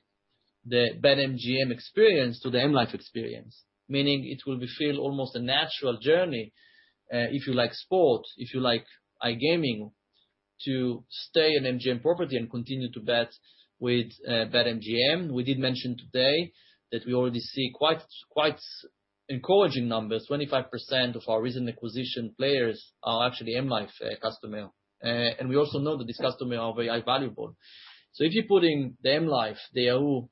the BetMGM experience to the M life experience, meaning it will feel almost a natural journey if you like sport, if you like iGaming, to stay in MGM property and continue to bet with BetMGM. We did mention today that we already see quite encouraging numbers. 25% of our recent acquisition players are actually M life customers. And we also know that these customers are very high valuable. So if you put in the M life, the Yahoo,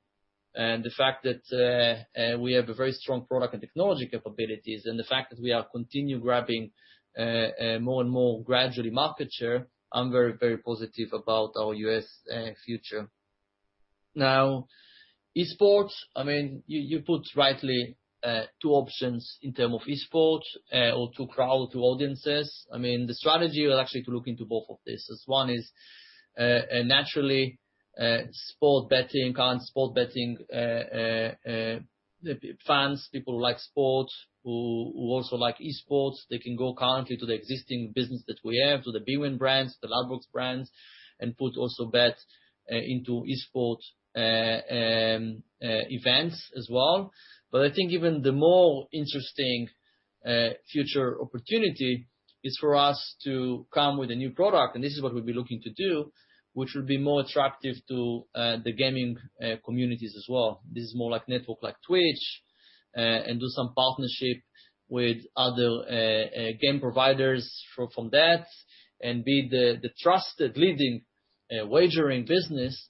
and the fact that we have a very strong product and technology capabilities, and the fact that we are continuing to grab more and more gradually market share, I'm very, very positive about our U.S. future. Now, esports, I mean, you put rightly two options in terms of esports or to crowd, to audiences. I mean, the strategy was actually to look into both of these. One is naturally sports betting, current sports betting fans, people who like sports, who also like esports, they can go currently to the existing business that we have, to the bwin brands, to the Ladbrokes brands, and put also bet into esports events as well, but I think even the more interesting future opportunity is for us to come with a new product, and this is what we'll be looking to do, which will be more attractive to the gaming communities as well. This is more like network like Twitch and do some partnership with other game providers from that and be the trusted, leading, wagering business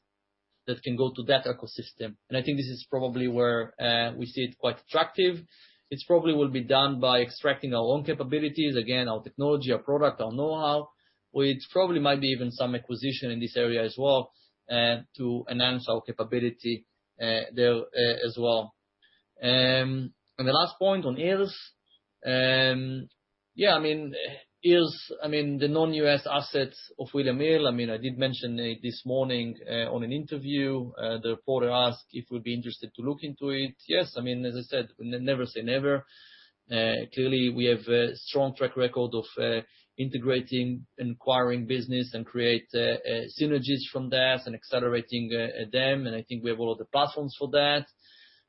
that can go to that ecosystem, and I think this is probably where we see it quite attractive. It probably will be done by extracting our own capabilities, again, our technology, our product, our know-how, which probably might be even some acquisition in this area as well to enhance our capability there as well. And the last point, the non-U.S. assets of William Hill. I mean, I did mention this morning in an interview. The reporter asked if we'd be interested to look into it. Yes. I mean, as I said, never say never. Clearly, we have a strong track record of integrating and acquiring business and creating synergies from that and accelerating them. And I think we have all of the platforms for that.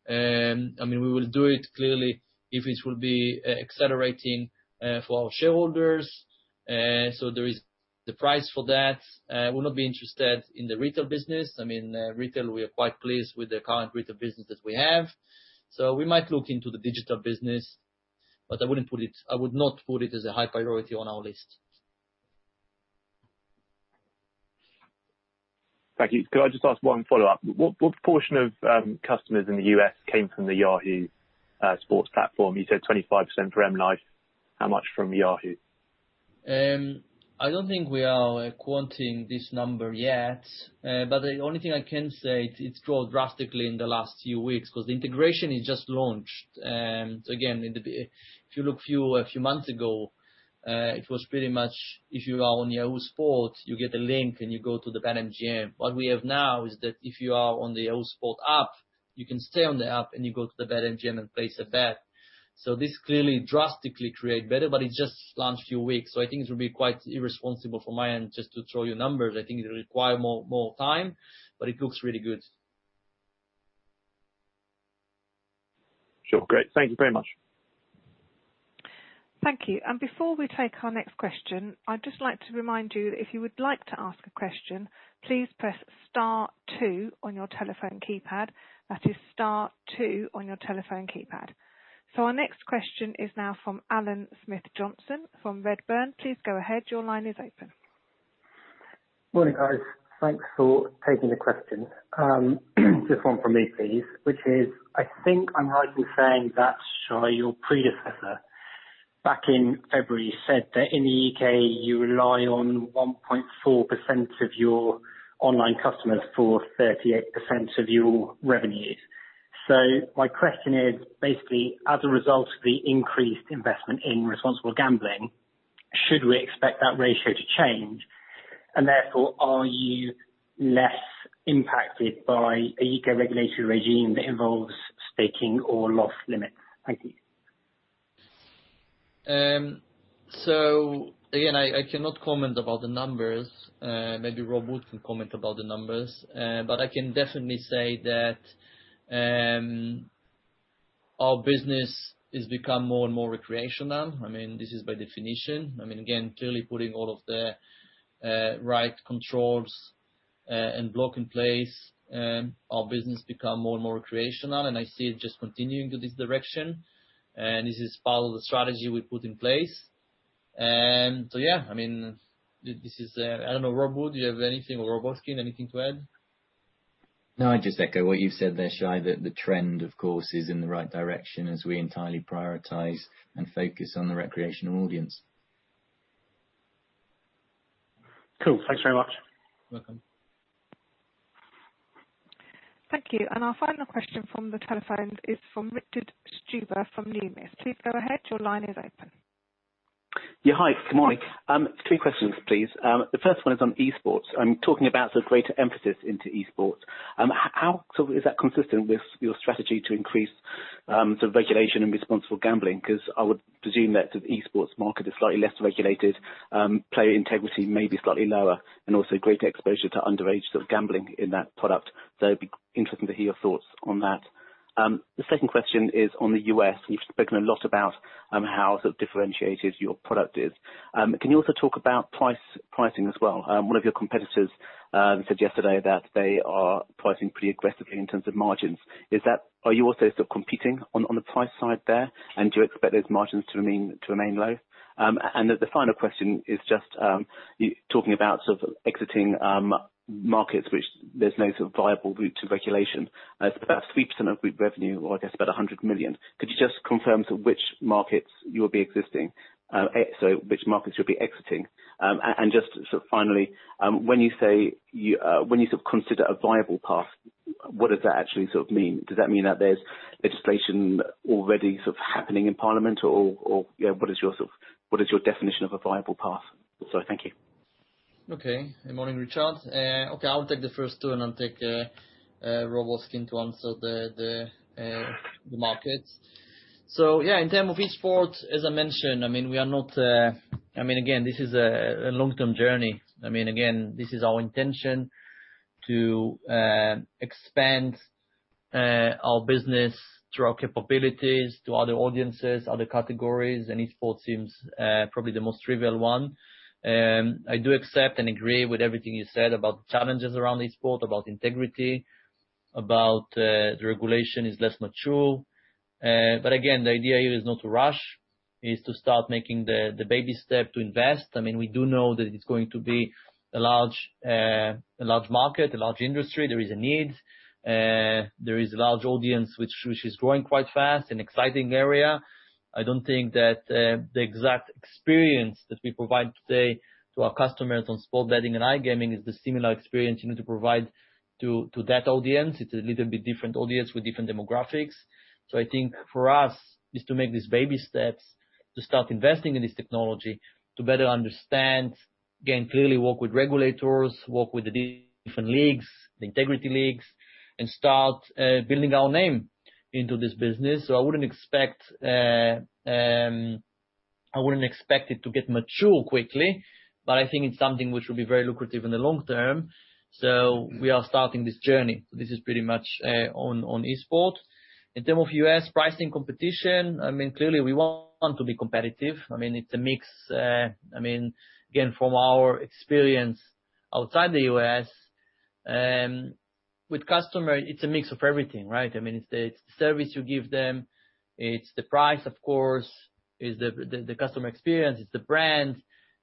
I mean, we will do it clearly if it will be accelerating for our shareholders. So there is the price for that. We'll not be interested in the retail business. I mean, retail, we are quite pleased with the current retail business that we have. So we might look into the digital business, but I wouldn't put it as a high priority on our list. Thank you. Could I just ask one follow-up? What portion of customers in the U.S. came from the Yahoo Sports platform? You said 25% for M life. How much from Yahoo? I don't think we are quanting this number yet. But the only thing I can say, it's grown drastically in the last few weeks because the integration is just launched. So again, if you look a few months ago, it was pretty much if you are on Yahoo Sports, you get a link and you go to BetMGM. What we have now is that if you are on the Yahoo Sports app, you can stay on the app and you go to BetMGM and place a bet. So this clearly drastically creates better, but it just launched a few weeks. So I think it will be quite irresponsible from my end just to throw you numbers. I think it will require more time, but it looks really good. Sure. Great. Thank you very much. Thank you. And before we take our next question, I'd just like to remind you that if you would like to ask a question, please press star two on your telephone keypad. That is star two on your telephone keypad. So our next question is now from Alan Johnstone from Redburn. Please go ahead. Your line is open. Morning, guys. Thanks for taking the question. Just one from me, please, which is I think I'm right in saying that your predecessor back in February said that in the U.K., you rely on 1.4% of your online customers for 38% of your revenues. So my question is basically, as a result of the increased investment in responsible gambling, should we expect that ratio to change? And therefore, are you less impacted by a more-regulated regime that involves staking or loss limits? Thank you. So again, I cannot comment about the numbers. Maybe Rob would comment about the numbers. But I can definitely say that our business has become more and more recreational. I mean, this is by definition. I mean, again, clearly putting all of the right controls and blocks in place, our business has become more and more recreational. And I see it just continuing to this direction. And this is part of the strategy we put in place. So yeah, I mean, this is. I don't know. Rob, would you have anything or Rob Hoskin, anything to add? No, I just echo what you've said there, Shay, that the trend, of course, is in the right direction as we entirely prioritize and focus on the recreational audience. Cool. Thanks very much. You're welcome. Thank you. And our final question from the telephones is from Richard Stuber from Numis. Please go ahead. Your line is open. Yeah. Hi. Good morning. Three questions, please. The first one is on esports. I'm talking about the greater emphasis into esports. How is that consistent with your strategy to increase the regulation and responsible gambling? Because I would presume that the esports market is slightly less regulated, player integrity may be slightly lower, and also greater exposure to underage gambling in that product. So it'd be interesting to hear your thoughts on that. The second question is on the U.S. You've spoken a lot about how differentiated your product is. Can you also talk about pricing as well? One of your competitors said yesterday that they are pricing pretty aggressively in terms of margins. Are you also competing on the price side there, and do you expect those margins to remain low? And the final question is just talking about exiting markets which there's no viable route to regulation. It's about 3% of revenue, or I guess about 100 million. Could you just confirm which markets you will be exiting, sorry, which markets you'll be exiting? And just finally, when you say you consider a viable path, what does that actually mean? Does that mean that there's legislation already happening in Parliament, or what is your definition of a viable path? Sorry. Thank you. Okay. Good morning, Richard. Okay. I'll take the first two, and I'll take Rob Hoskin to answer the markets. So yeah, in terms of esports, as I mentioned, I mean, we are not. I mean, again, this is a long-term journey. I mean, again, this is our intention to expand our business through our capabilities to other audiences, other categories. And esports seems probably the most trivial one. I do accept and agree with everything you said about the challenges around esports, about integrity, about the regulation is less mature. But again, the idea here is not to rush. It's to start making the baby step to invest. I mean, we do know that it's going to be a large market, a large industry. There is a need. There is a large audience which is growing quite fast, an exciting area. I don't think that the exact experience that we provide today to our customers on sports betting and iGaming is the similar experience you need to provide to that audience. It's a little bit different audience with different demographics. I think for us is to make these baby steps to start investing in this technology to better understand, again, clearly work with regulators, work with the different leagues, the integrity leagues, and start building our name into this business. I wouldn't expect it to get mature quickly, but I think it's something which will be very lucrative in the long term. We are starting this journey. This is pretty much on esports. In terms of U.S. pricing competition, I mean, clearly we want to be competitive. I mean, it's a mix. I mean, again, from our experience outside the U.S. with customers, it's a mix of everything, right? I mean, it's the service you give them. It's the price, of course. It's the customer experience. It's the brand.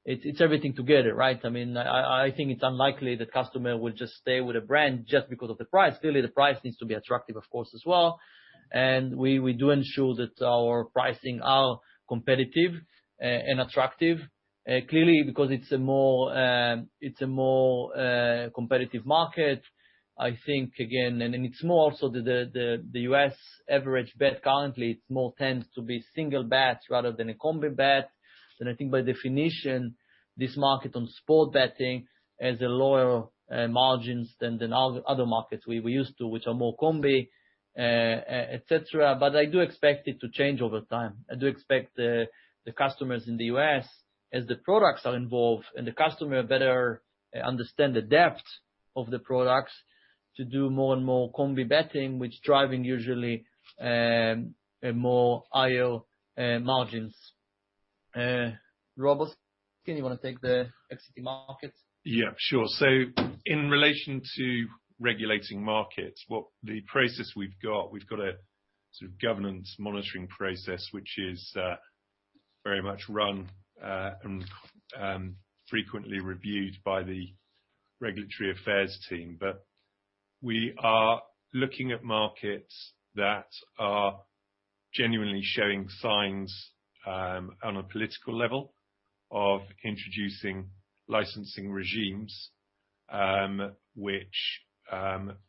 It's everything together, right? I mean, I think it's unlikely that customers will just stay with a brand just because of the price. Clearly, the price needs to be attractive, of course, as well. And we do ensure that our pricing are competitive and attractive. Clearly, because it's a more competitive market, I think, again, and it's more also the U.S. average bet currently, it's more tends to be single bets rather than a combi bet. And I think by definition, this market on sport betting has lower margins than other markets we used to, which are more combi, etc. But I do expect it to change over time. I do expect the customers in the U.S., as the products are involved and the customers better understand the depth of the products, to do more and more combi betting, which is driving usually more higher margins. Rob Hoskin, you want to take the existing markets? Yeah, sure. So in relation to regulating markets, the process we've got. We've got a governance monitoring process which is very much run and frequently reviewed by the regulatory affairs team. But we are looking at markets that are genuinely showing signs on a political level of introducing licensing regimes, which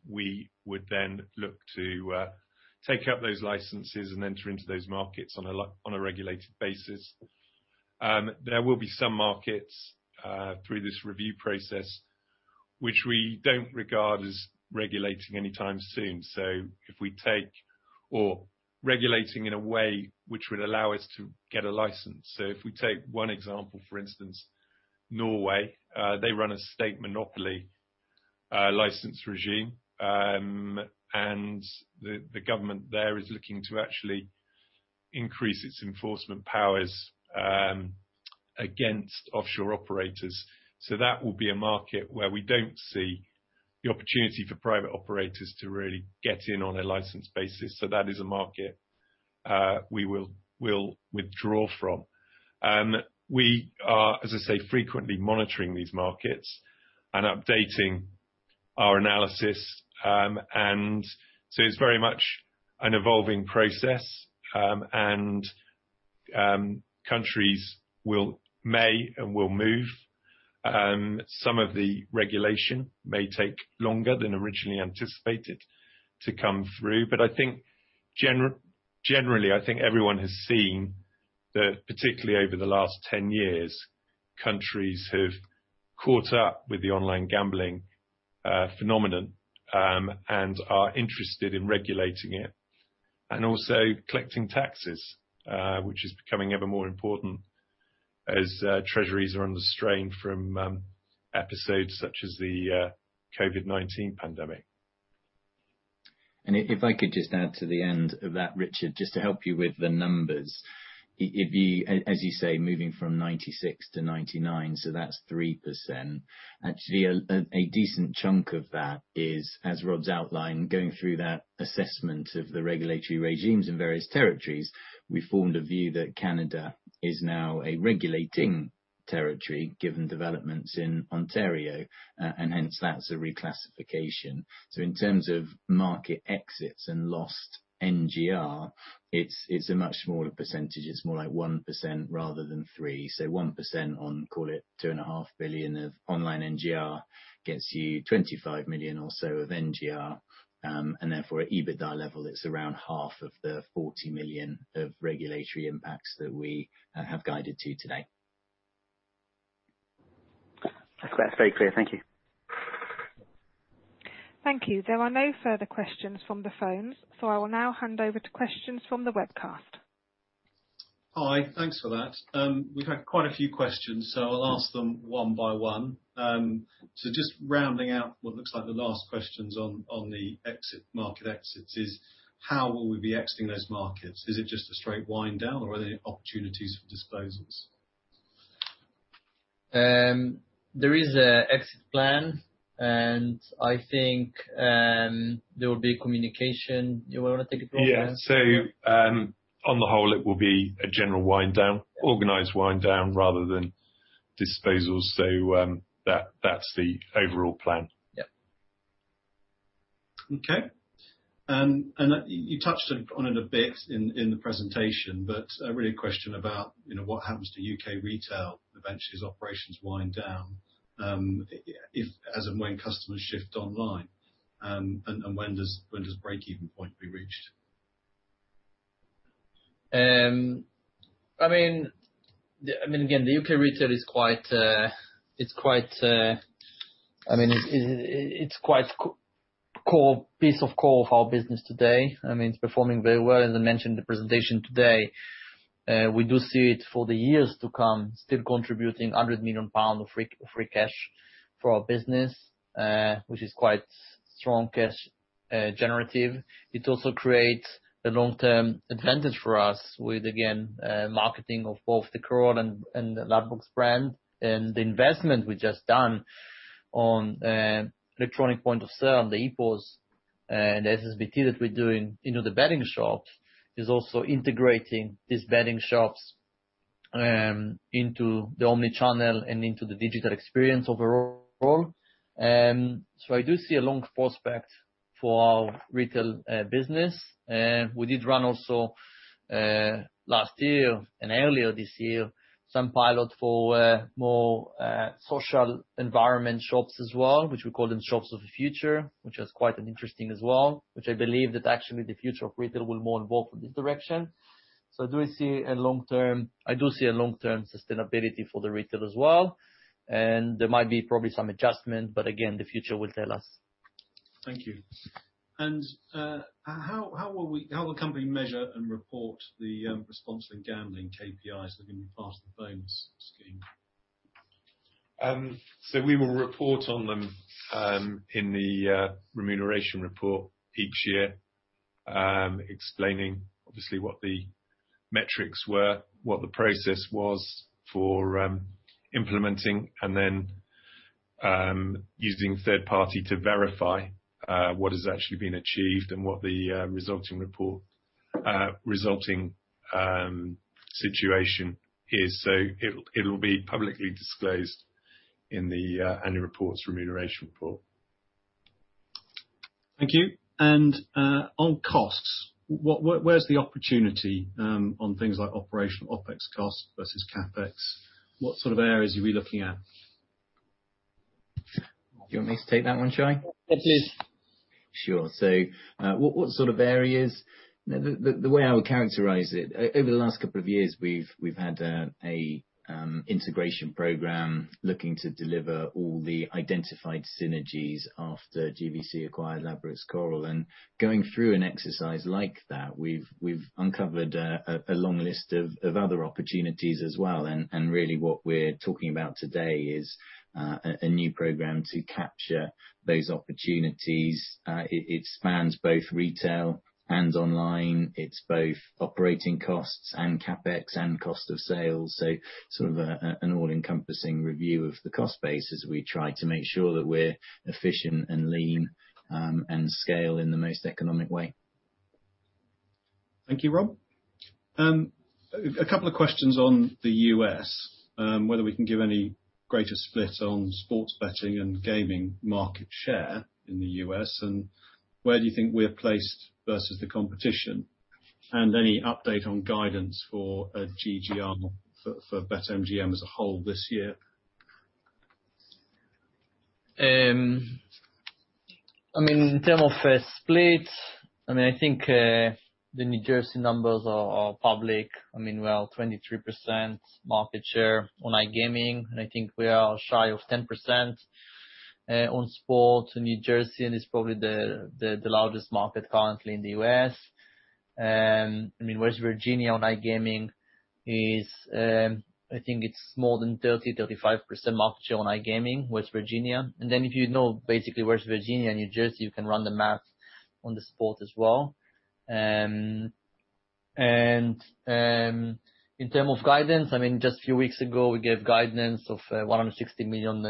we would then look to take up those licenses and enter into those markets on a regulated basis. There will be some markets through this review process which we don't regard as regulating anytime soon. So if we take or regulating in a way which would allow us to get a license. So if we take one example, for instance, Norway. They run a state monopoly license regime. And the government there is looking to actually increase its enforcement powers against offshore operators. That will be a market where we don't see the opportunity for private operators to really get in on a license basis. That is a market we will withdraw from. We are, as I say, frequently monitoring these markets and updating our analysis. It's very much an evolving process. Countries may and will move. Some of the regulation may take longer than originally anticipated to come through. I think generally, I think everyone has seen that particularly over the last 10 years, countries have caught up with the online gambling phenomenon and are interested in regulating it and also collecting taxes, which is becoming ever more important as treasuries are under strain from episodes such as the COVID-19 pandemic. If I could just add to the end of that, Richard, just to help you with the numbers, as you say, moving from 96% to 99%, so that's 3%. Actually, a decent chunk of that is, as Rob's outlined, going through that assessment of the regulatory regimes in various territories. We formed a view that Canada is now a regulated territory given developments in Ontario, and hence that's a reclassification. So in terms of market exits and lost NGR, it's a much smaller percentage. It's more like 1% rather than 3%. So 1% on, call it, 2.5 billion of online NGR gets you 25 million or so of NGR. And therefore, at EBITDA level, it's around 20 million of regulatory impacts that we have guided to today. That's very clear. Thank you. Thank you. There are no further questions from the phones. So I will now hand over to questions from the webcast. Hi. Thanks for that. We've had quite a few questions, so I'll ask them one by one. So just rounding out what looks like the last questions on the market exits is, how will we be exiting those markets? Is it just a straight wind down, or are there opportunities for disposals? There is an exit plan, and I think there will be communication. You want to take it from there? Yeah. So on the whole, it will be a general wind down, organized wind down rather than disposals. So that's the overall plan. Yeah. Okay. And you touched on it a bit in the presentation, but a really good question about what happens to U.K. retail eventually as operations wind down, as and when customers shift online, and when does break-even point be reached? I mean, again, the U.K. retail is quite. I mean, it's quite a core piece of our business today. I mean, it's performing very well. As I mentioned in the presentation today, we do see it for the years to come still contributing 100 million pounds of free cash for our business, which is quite strong cash generative. It also creates a long-term advantage for us with, again, marketing of both the Coral and the Ladbrokes brand. And the investment we've just done on electronic point of sale, the EPOS, and the SSBT that we're doing into the betting shops is also integrating these betting shops into the omnichannel and into the digital experience overall. So I do see a long prospect for our retail business. We did run also last year and earlier this year some pilot for more social environment shops as well, which we call them shops of the future, which is quite interesting as well, which I believe that actually the future of retail will more and more go in this direction. So I do see a long-term. I do see a long-term sustainability for the retail as well. And there might be probably some adjustment, but again, the future will tell us. Thank you. And how will the company measure and report the responsible gambling KPIs that are going to be part of the bonus scheme? We will report on them in the Remuneration Report each year, explaining obviously what the metrics were, what the process was for implementing, and then using third-party to verify what has actually been achieved and what the resulting situation is. It’ll be publicly disclosed in the annual reports, Remuneration Report. Thank you. On costs, where's the opportunity on things like operational OpEx costs versus CapEx? What sort of areas are we looking at? Do you want me to take that one, Shay? Yeah, please. Sure. So what sort of areas? The way I would characterize it, over the last couple of years, we've had an integration program looking to deliver all the identified synergies after GVC acquired Ladbrokes Coral. And going through an exercise like that, we've uncovered a long list of other opportunities as well. And really, what we're talking about today is a new program to capture those opportunities. It spans both retail and online. It's both operating costs and CapEx and cost of sales. So sort of an all-encompassing review of the cost basis. We try to make sure that we're efficient and lean and scale in the most economic way. Thank you, Rob. A couple of questions on the U.S., whether we can give any greater split on sports betting and gaming market share in the U.S., and where do you think we're placed versus the competition, and any update on guidance for GGR for BetMGM as a whole this year? I mean, in terms of split, I mean, I think the New Jersey numbers are public. I mean, we are 23% market share on iGaming. And I think we are shy of 10% on sports in New Jersey, and it's probably the largest market currently in the U.S. I mean, West Virginia on iGaming is, I think it's more than 30%-35% market share on iGaming, West Virginia. And then if you know basically West Virginia and New Jersey, you can run the math on the sports as well. And in terms of guidance, I mean, just a few weeks ago, we gave guidance of $160 million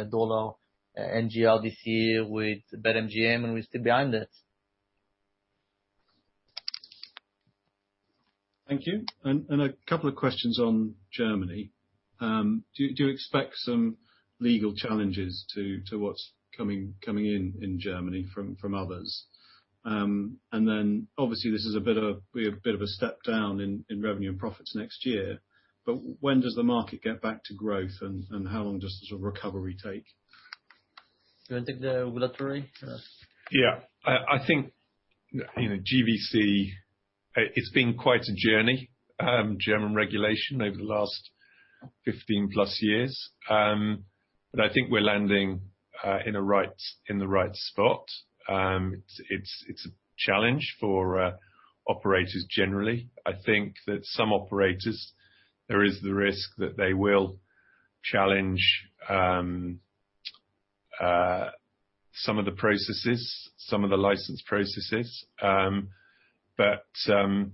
NGR this year with BetMGM, and we're still behind it. Thank you. And a couple of questions on Germany. Do you expect some legal challenges to what's coming in Germany from others? And then obviously, this is a bit of a step down in revenue and profits next year. But when does the market get back to growth, and how long does the sort of recovery take? Do you want to take the regulatory? Yeah. I think GVC, it's been quite a journey, German regulation over the last 15-plus years. But I think we're landing in the right spot. It's a challenge for operators generally. I think that some operators, there is the risk that they will challenge some of the processes, some of the license processes. But that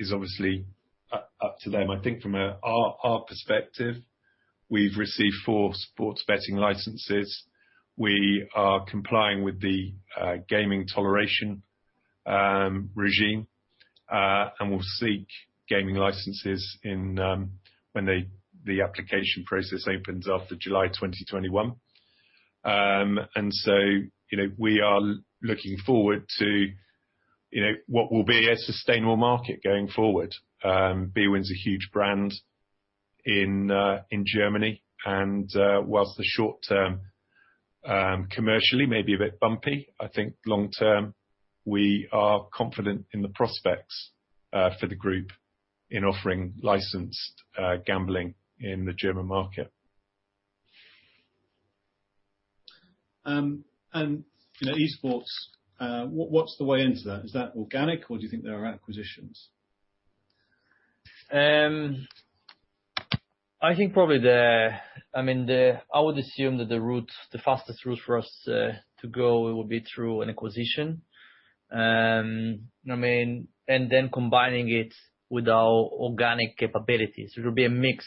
is obviously up to them. I think from our perspective, we've received four sports betting licenses. We are complying with the gaming toleration regime, and we'll seek gaming licenses when the application process opens after July 2021. And so we are looking forward to what will be a sustainable market going forward. bwin's a huge brand in Germany. And while the short-term commercially may be a bit bumpy, I think long-term we are confident in the prospects for the group in offering licensed gambling in the German market. Esports, what's the way into that? Is that organic, or do you think there are acquisitions? I think probably—I mean, I would assume that the fastest route for us to go will be through an acquisition. I mean, and then combining it with our organic capabilities. It will be a mix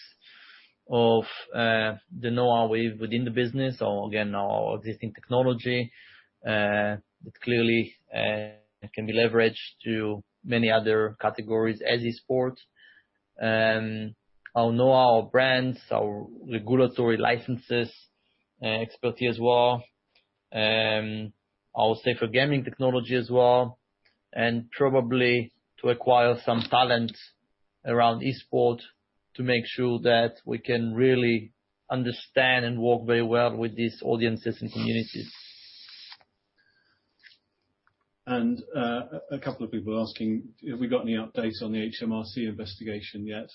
of the know-how within the business or, again, our existing technology that clearly can be leveraged to many other categories as esports. Our know-how, our brands, our regulatory licenses, expertise as well, our safer gaming technology as well, and probably to acquire some talent around esports to make sure that we can really understand and work very well with these audiences and communities. A couple of people asking, have we got any updates on the HMRC investigation yet?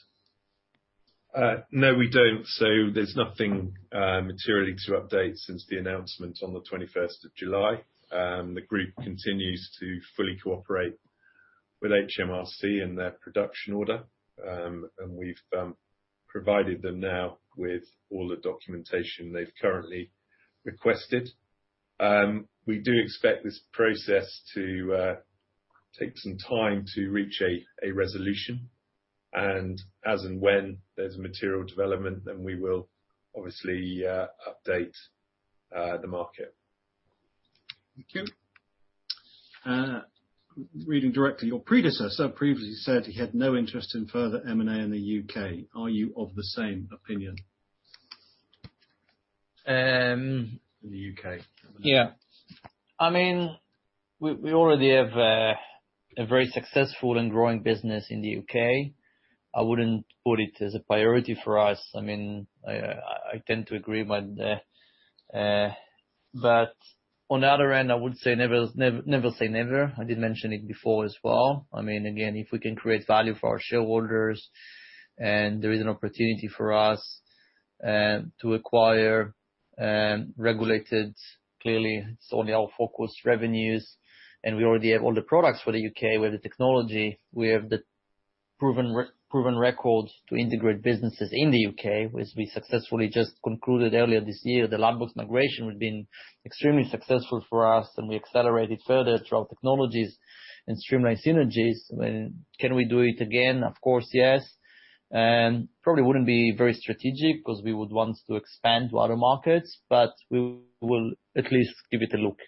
No, we don't. So there's nothing materially to update since the announcement on the 21st of July. The group continues to fully cooperate with HMRC and their production order. And we've provided them now with all the documentation they've currently requested. We do expect this process to take some time to reach a resolution. And as and when there's material development, then we will obviously update the market. Thank you. Reading directly, your predecessor previously said he had no interest in further M&A in the U.K. Are you of the same opinion? In the U.K.? Yeah. I mean, we already have a very successful and growing business in the U.K. I wouldn't put it as a priority for us. I mean, I tend to agree. But on the other end, I would say never say never. I did mention it before as well. I mean, again, if we can create value for our shareholders and there is an opportunity for us to acquire regulated, clearly, it's only our focus revenues. And we already have all the products for the U.K. We have the technology. We have the proven record to integrate businesses in the U.K., which we successfully just concluded earlier this year. The Ladbrokes migration has been extremely successful for us, and we accelerated further through our technologies and streamlined synergies. Can we do it again? Of course, yes. Probably wouldn't be very strategic because we would want to expand to other markets, but we will at least give it a look.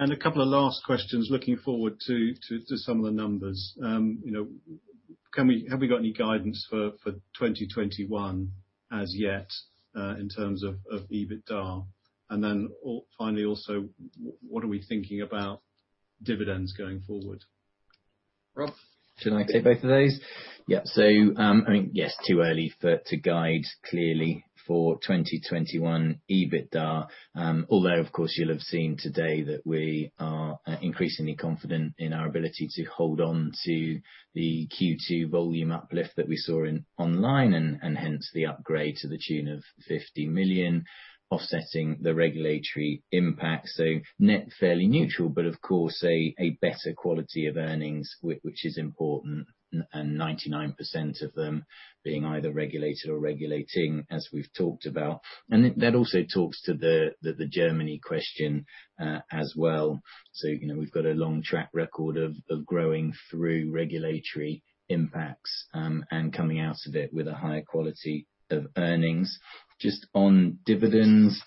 And a couple of last questions looking forward to some of the numbers. Have we got any guidance for 2021 as yet in terms of EBITDA? And then finally, also, what are we thinking about dividends going forward? Rob? Can I take both of those? Yeah. So I mean, yes, too early to guide clearly for 2021 EBITDA, although, of course, you'll have seen today that we are increasingly confident in our ability to hold on to the Q2 volume uplift that we saw online and hence the upgrade to the tune of 50 million, offsetting the regulatory impact. So net fairly neutral, but of course, a better quality of earnings, which is important, and 99% of them being either regulated or regulating, as we've talked about. And that also talks to the Germany question as well. So we've got a long track record of growing through regulatory impacts and coming out of it with a higher quality of earnings. Just on dividends,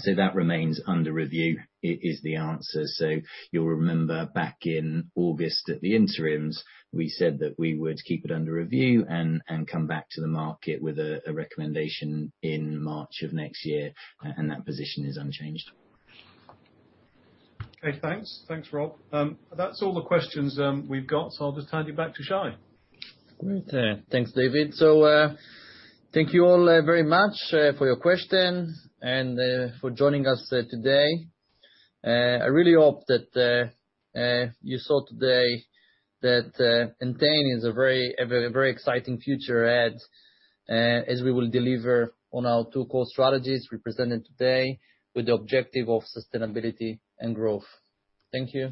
so that remains under review is the answer. So you'll remember back in August at the interims, we said that we would keep it under review and come back to the market with a recommendation in March of next year, and that position is unchanged. Okay. Thanks. Thanks, Rob. That's all the questions we've got, so I'll just hand you back to Shay. Thanks, David. So thank you all very much for your question and for joining us today. I really hope that you saw today that Entain has a very exciting future ahead as we will deliver on our two core strategies we presented today with the objective of sustainability and growth. Thank you.